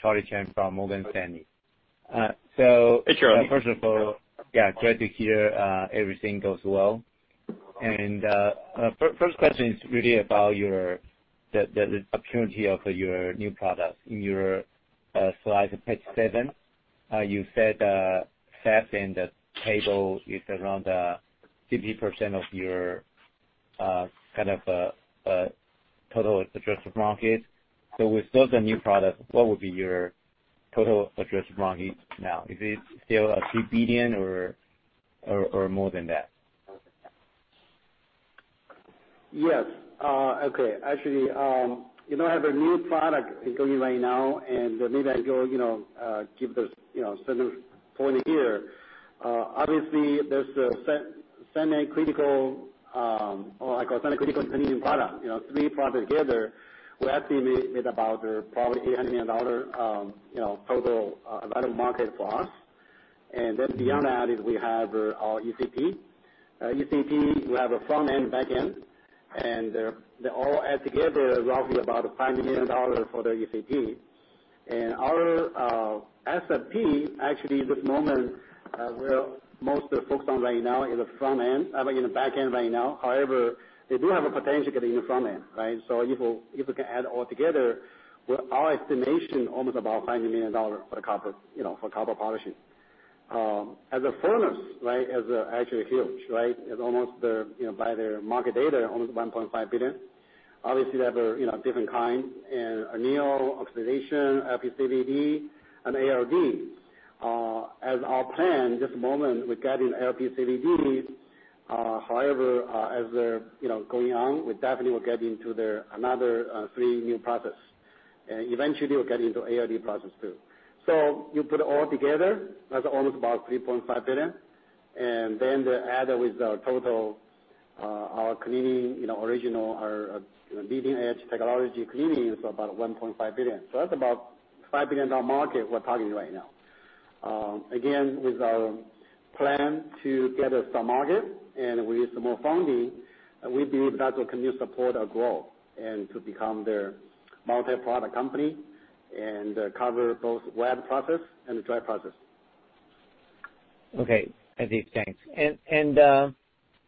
Charlie Chen from Morgan Stanley. First of all, yeah, great to hear everything goes well. First question is really about the opportunity of your new product. In your Slide, page seven, you said fabs and the table is around 50% of your kind of total addressed market. With those new products, what would be your total addressed market now? Is it still a $3 billion or more than that? Yes. Okay. Actually, I have a new product going right now, and maybe I'll go give the center point here. Obviously, there's a semi-critical or, I call it, semi-critical intelligent product. Three products together, we're estimated about probably $800 million total available market for us. Then beyond that, we have our ECP. ECP, we have a front-end, back-end, and they all add together roughly about $5 million for their ECP. And our SFP, actually, at this moment, we're most focused on right now is the front-end. I mean, the back-end right now. However, they do have a potential to get in the front-end, right? If we can add all together, our estimation is almost about $500 million for copper polishing. As a furnace, right, it's actually huge, right? It's almost, by their market data, almost $1.5 billion. Obviously, they have different kinds: anneal, oxidation, LPCVD, and ALD. As our plan, at this moment, we're getting LPCVDs. However, as they're going on, we definitely will get into another three new processes. Eventually, we'll get into ALD process too. You put it all together, that's almost about $3.5 billion. Then the add with our total, our cleaning original, our leading-edge technology cleaning is about $1.5 billion. That is about $5 billion market we are targeting right now. Again, with our plan to get a sub-market and with some more funding, we believe that will continue to support our growth and to become their multi-product company and cover both wet process and dry process. Okay. I think thanks.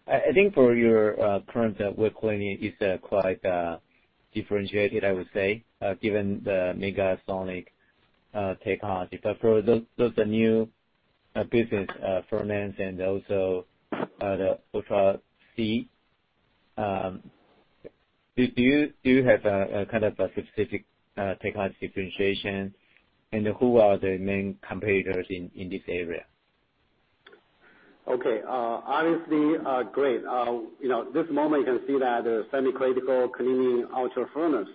I think for your current work cleaning, it is quite differentiated, I would say, given the Megasonic technology. For those new business firms and also the Ultra ECP, do you have a kind of specific technology differentiation, and who are the main competitors in this area? Okay. Obviously, great. At this moment, you can see that there are semi-critical cleaning ultra-furnace,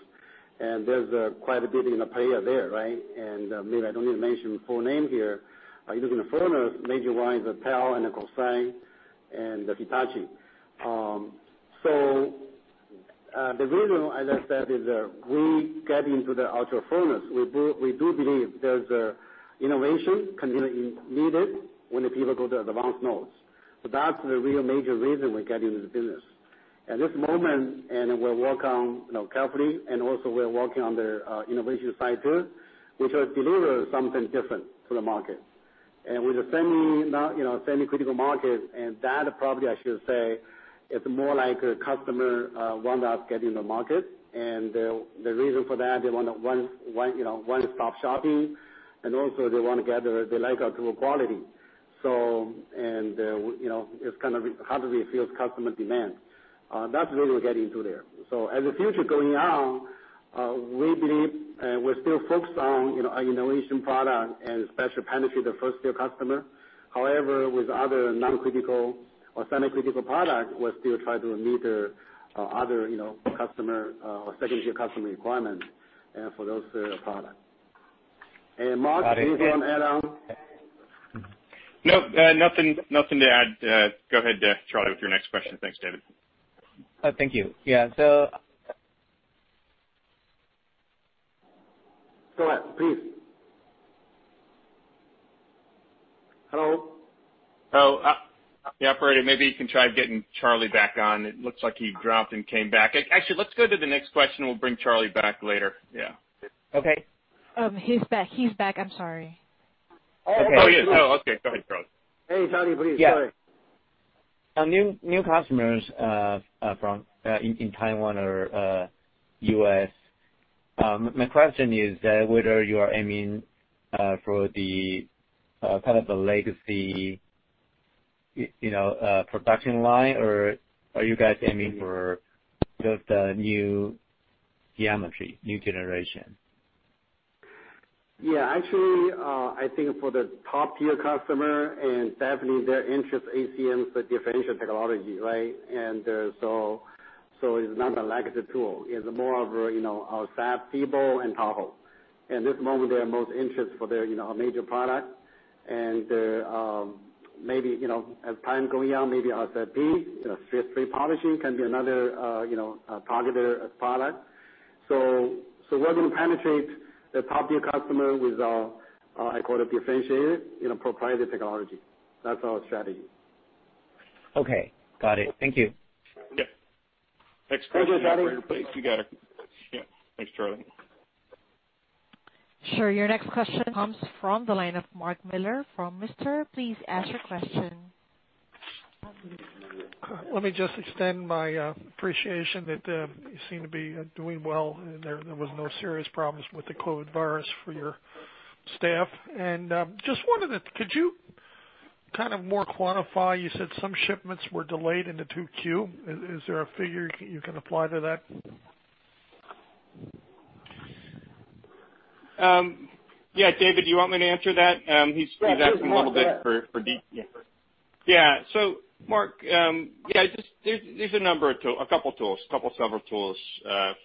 and there is quite a bit in the player there, right? Maybe I do not need to mention full name here. Even in the furnace, major ones are TEL and Kokusai and Hitachi. The reason, as I said, is that we get into the Ultra Furnace. We do believe there's innovation continually needed when the people go to advanced nodes. That's the real major reason we're getting into the business. At this moment, we're working on carefully, and also we're working on the innovation side too, which will deliver something different to the market. With the semi-critical market, that probably, I should say, it's more like a customer wants us getting the market. The reason for that, they want one-stop shopping, and also they want to gather; they like our tool quality. It's kind of how do we fuel customer demand? That's the reason we're getting into there. As the future is going on, we believe we're still focused on our innovation product and especially penetrate the first-tier customer. However, with other non-critical or semi-critical products, we're still trying to meet other customer or second-tier customer requirements for those products. Mark, do you want to add on? Nope. Nothing to add. Go ahead, Charlie, with your next question. Thanks, David. Thank you. Yeah. Go ahead, please. Hello? Oh, yeah, Operator, maybe you can try getting Charlie back on. It looks like he dropped and came back. Actually, let's go to the next question. We'll bring Charlie back later. Yeah. Okay. He's back. He's back. I'm sorry. Oh, okay. Oh, yeah. Oh, okay. Go ahead, Charlie. Hey, Charlie, please. Sorry. Yeah. New customers in Taiwan or U.S., my question is that whether you are aiming for the kind of the legacy production line, or are you guys aiming for just the new geometry, new generation? Yeah. Actually, I think for the top-tier customer and definitely their interest ACM for differential technology, right? And so it's not a legacy tool. It's more of our SFP tool and Tahoe. And at this moment, they are most interested for their major product. And maybe as time going on, maybe SFP, stress-free polishing can be another targeted product. So we're going to penetrate the top-tier customer with our, I call it, differentiated proprietary technology. That's our strategy. Okay. Got it. Thank you. Yeah. Next question. Thank you, Charlie. Please, you got it. Yeah. Thanks, Charlie. Sure. Your next question comes from the line of Mark Miller from. Please ask your question. Let me just extend my appreciation that you seem to be doing well. There was no serious problems with the COVID virus for your staff. I just wanted to, could you kind of more quantify? You said some shipments were delayed into 2Q. Is there a figure you can apply to that? Yeah. David, do you want me to answer that? He's asking a little bit for detail. Yeah. Yeah. So Mark, yeah, there's a number of tools, a couple of several tools that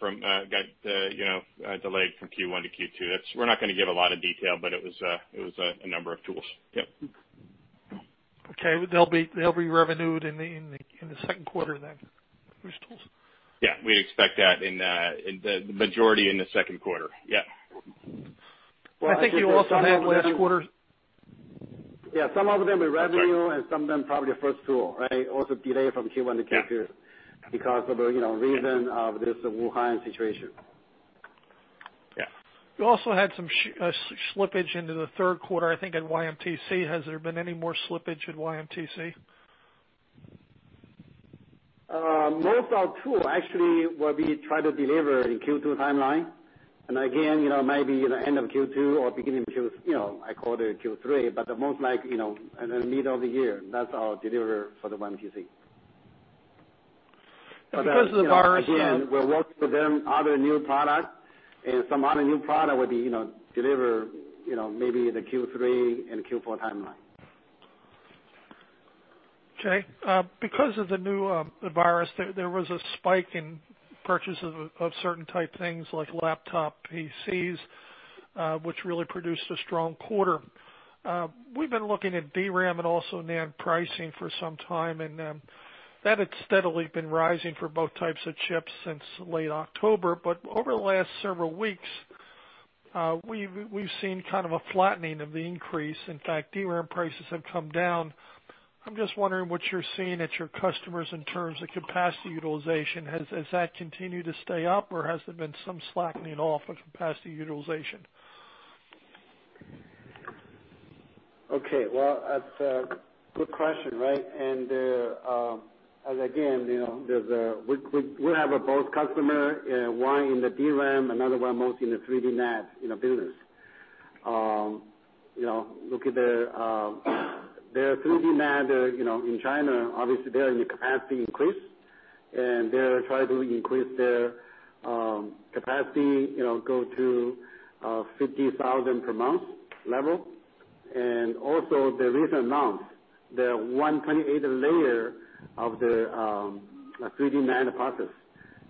got delayed from Q1 to Q2. We're not going to give a lot of detail, but it was a number of tools. Yeah. Okay. They'll be revenued in the second quarter then, those tools? Yeah. We expect that in the majority in the second quarter. Yeah. I think you also had last quarter. Yeah. Some of them were revenue, and some of them probably the first tool, right? Also delayed from Q1 to Q2 because of the reason of this Wuhan situation. Yeah. You also had some slippage into the third quarter, I think, at YMTC. Has there been any more slippage at YMTC? Most of our tool, actually, will be tried to deliver in Q2 timeline. Again, maybe the end of Q2 or beginning of Q2, I call it Q3, but the most likely in the middle of the year. That's our delivery for the YMTC. Because of the virus, again, we're working with them on other new products, and some other new product will be delivered maybe in the Q3 and Q4 timeline. Okay. Because of the new virus, there was a spike in purchase of certain type things like laptop PCs, which really produced a strong quarter. We've been looking at DRAM and also NAND pricing for some time, and that had steadily been rising for both types of chips since late October. Over the last several weeks, we've seen kind of a flattening of the increase. In fact, DRAM prices have come down. I'm just wondering what you're seeing at your customers in terms of capacity utilization. Has that continued to stay up, or has there been some slackening off of capacity utilization? That is a good question, right? Again, we have both customers in the DRAM, another one mostly in the 3D NAND business. Look at their 3D NAND in China. Obviously, their capacity increased, and they're trying to increase their capacity, go to 50,000 per month level. Also, in recent months, the 128 layer of the 3D NAND process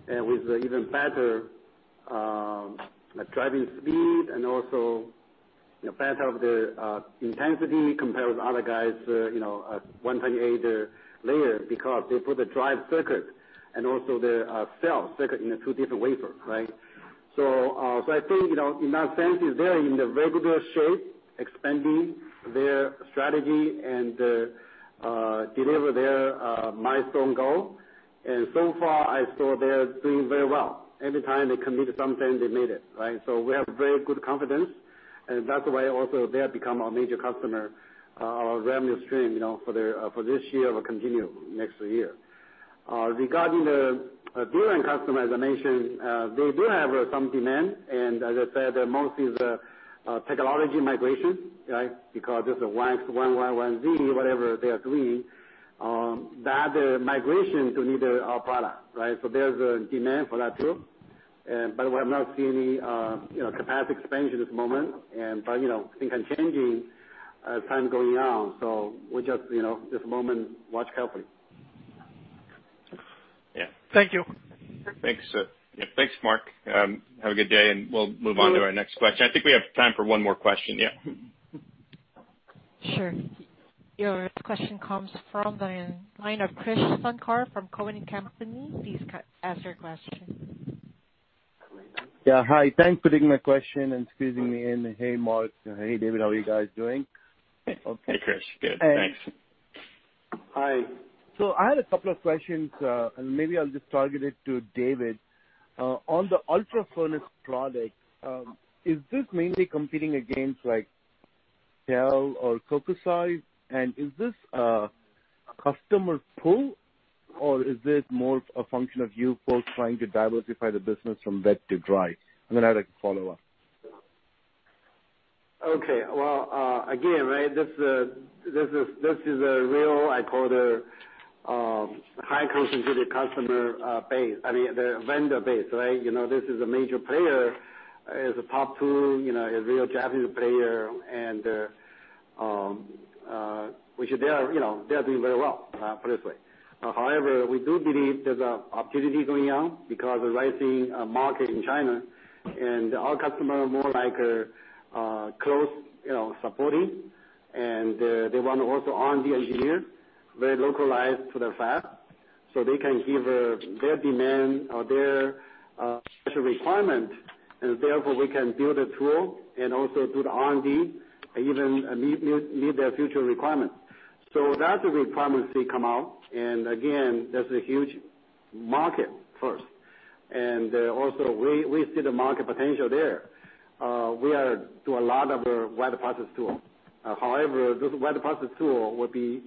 with even better driving speed and also better intensity compared with other guys, 128 layer because they put the drive circuit and also the cell circuit in two different wafers, right? I think in that sense, they're in the regular shape, expanding their strategy and deliver their milestone goal. So far, I saw they're doing very well. Every time they commit to something, they made it, right? We have very good confidence. That is why also they have become our major customer, our revenue stream for this year will continue next year. Regarding the DRAM customers, as I mentioned, they do have some demand. As I said, mostly the technology migration, right? Because this is, whatever they are doing, that migration to need our product, right? There is a demand for that too. We have not seen any capacity expansion at this moment. Things are changing as time goes on. We just, at this moment, watch carefully. Thank you. Thanks, Mark. Have a good day, and we'll move on to our next question. I think we have time for one more question. Yeah. Sure. Your next question comes from the line of Chris Funke from Cowen & Company. Please ask your question. Yeah. Hi. Thanks for taking my question and squeezing me in. Hey, Mark. Hey, David. How are you guys doing? Hey, Chris. Good. Thanks. Hi. I had a couple of questions, and maybe I'll just target it to David. On the Ultra Furnace product, is this mainly competing against TEL or Kokusai? Is this a customer pool, or is this more a function of you folks trying to diversify the business from wet to dry? I have a follow-up. This is a real, I call it, high-concentrated customer base. I mean, the vendor base, right? This is a major player. It's a top two. It's a real Japanese player, which they are doing very well for this way. However, we do believe there's an opportunity going on because of rising market in China. Our customer are more like close supporting, and they want to also R&D engineer, very localized to their fab, so they can give their demand or their special requirement. Therefore, we can build a tool and also do the R&D and even meet their future requirements. That's a requirement they come out. That's a huge market first. We see the market potential there. We do a lot of wet process tools. However, this wet process tool will be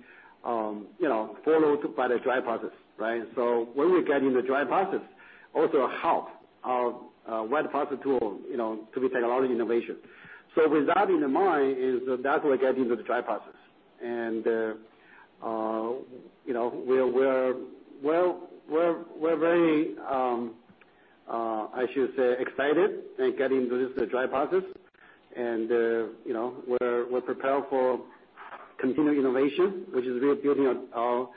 followed by the dry process, right? When we get into dry process, it also helps our wet process tool to be technology innovation. With that in mind, that's why we're getting into the dry process. We're very, I should say, excited and getting into this dry process. We're prepared for continued innovation, which is rebuilding our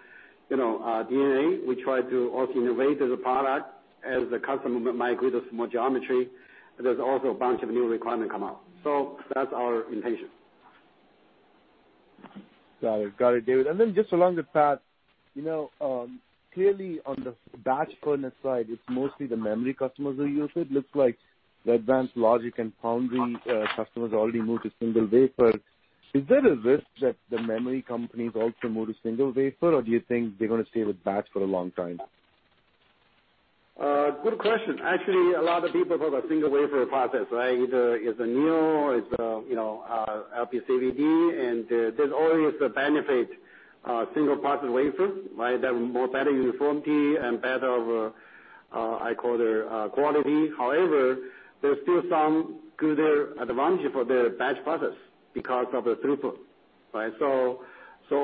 DNA. We try to also innovate as a product as the customer migrates to more geometry. There are also a bunch of new requirements that come out. That's our intention. Got it. Got it, David. Just along the path, clearly on the batch furnace side, it's mostly the memory customers who use it. Looks like the advanced logic and foundry customers already moved to single wafer. Is there a risk that the memory companies also move to single wafer, or do you think they're going to stay with batch for a long time? Good question. Actually, a lot of people talk about single wafer process, right? Either it's a Neo or it's LPCVD. And there's always a benefit of single process wafer, right? That will have more better uniformity and better, I call it, quality. However, there's still some good advantage for the batch process because of the throughput, right?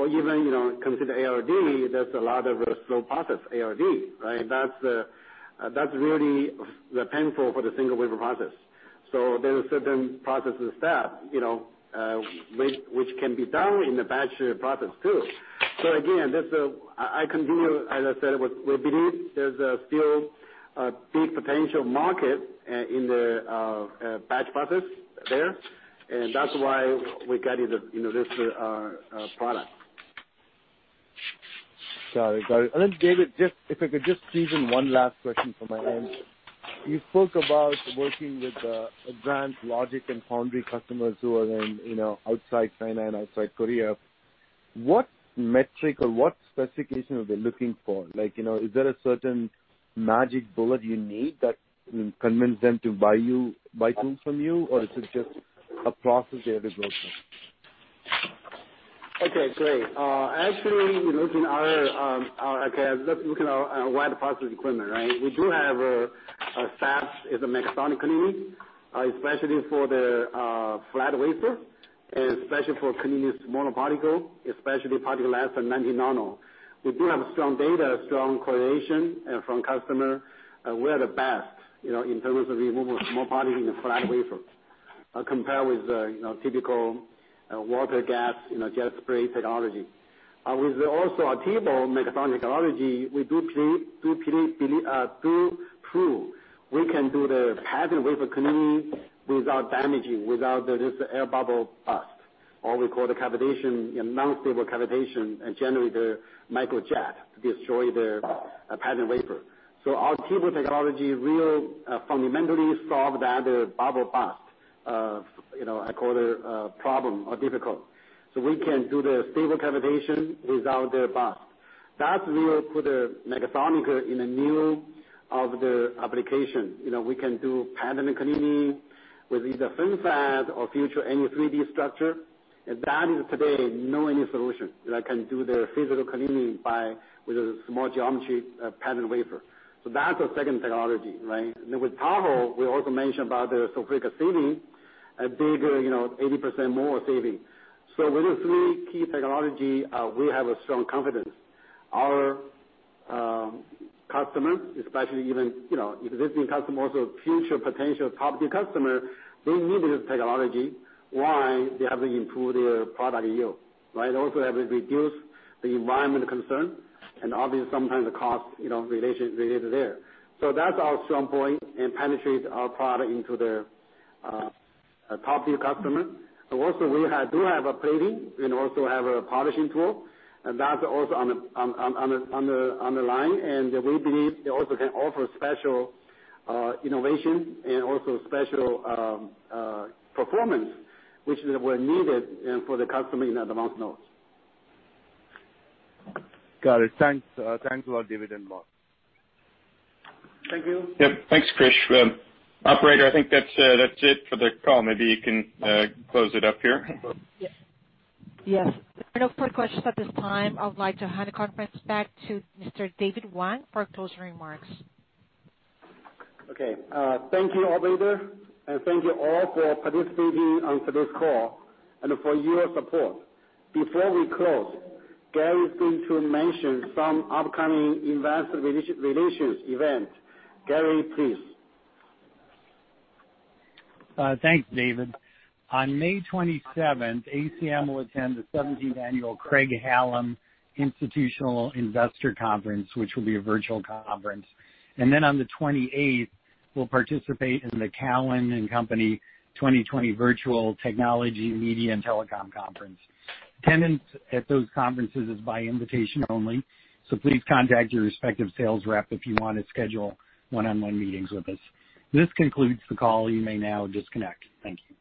Even consider ALD, there's a lot of slow process ALD, right? That's really the painful for the single wafer process. There's a certain process step which can be done in the batch process too. I continue, as I said, we believe there's still a big potential market in the batch process there. That's why we got into this product. Got it. Got it. David, if I could just squeeze in one last question from my end. You spoke about working with advanced logic and foundry customers who are in outside China and outside Korea. What metric or what specification are they looking for? Is there a certain magic bullet you need that convinces them to buy tools from you, or is it just a process they have to go through? Okay. Great. Actually, looking at our wide process equipment, right, we do have a SAP is a megasonic cleaning, especially for the flat wafer and especially for cleaning small particle, especially particle less than 90 nano. We do have strong data, strong correlation from customer. We are the best in terms of removal of small particle in the flat wafer compared with typical water, gas, jet spray technology. With also our Tahoe megasonic technology, we do prove we can do the pattern wafer cleaning without damaging, without this air bubble bust, or we call the cavitation, non-stable cavitation, and generate the microjet to destroy the pattern wafer. Our Tahoe technology real fundamentally solves that bubble bust, I call it, problem or difficult. We can do the stable cavitation without the bust. That real put the megasonic in the new of the application. We can do pattern cleaning with either FinFET or future any 3D structure. That is today no any solution that can do the physical cleaning with a small geometry pattern wafer. That is the second technology, right? With Tahoe, we also mentioned about the sulfuric acidity, a bigger 80% more saving. With these three key technologies, we have a strong confidence. Our customers, especially even existing customers, also future potential top-tier customers, they need this technology while they have to improve their product yield, right? Also have to reduce the environmental concern and obviously sometimes the cost related there. That is our strong point and penetrate our product into the top-tier customer. Also, we do have a plating and also have a polishing tool. That is also on the line. We believe they also can offer special innovation and also special performance, which were needed for the customer in advanced nodes. Got it. Thanks. Thanks a lot, David and Mark. Thank you. Yep. Thanks, Chris. Operator, I think that is it for the call. Maybe you can close it up here. Yes. There are no further questions at this time. I would like to hand the conference back to Mr. David Wang for closing remarks. Okay. Thank you, Operator. Thank you all for participating on today's call and for your support. Before we close, Gary is going to mention some upcoming investor relations event. Gary, please. Thanks, David. On May 27, ACM will attend the 17th Annual Craig-Hallum Institutional Investor Conference, which will be a virtual conference. On the 28th, we'll participate in the Cowen & Company 2020 Virtual Technology Media and Telecom Conference. Attendance at those conferences is by invitation only. Please contact your respective sales rep if you want to schedule one-on-one meetings with us. This concludes the call. You may now disconnect. Thank you.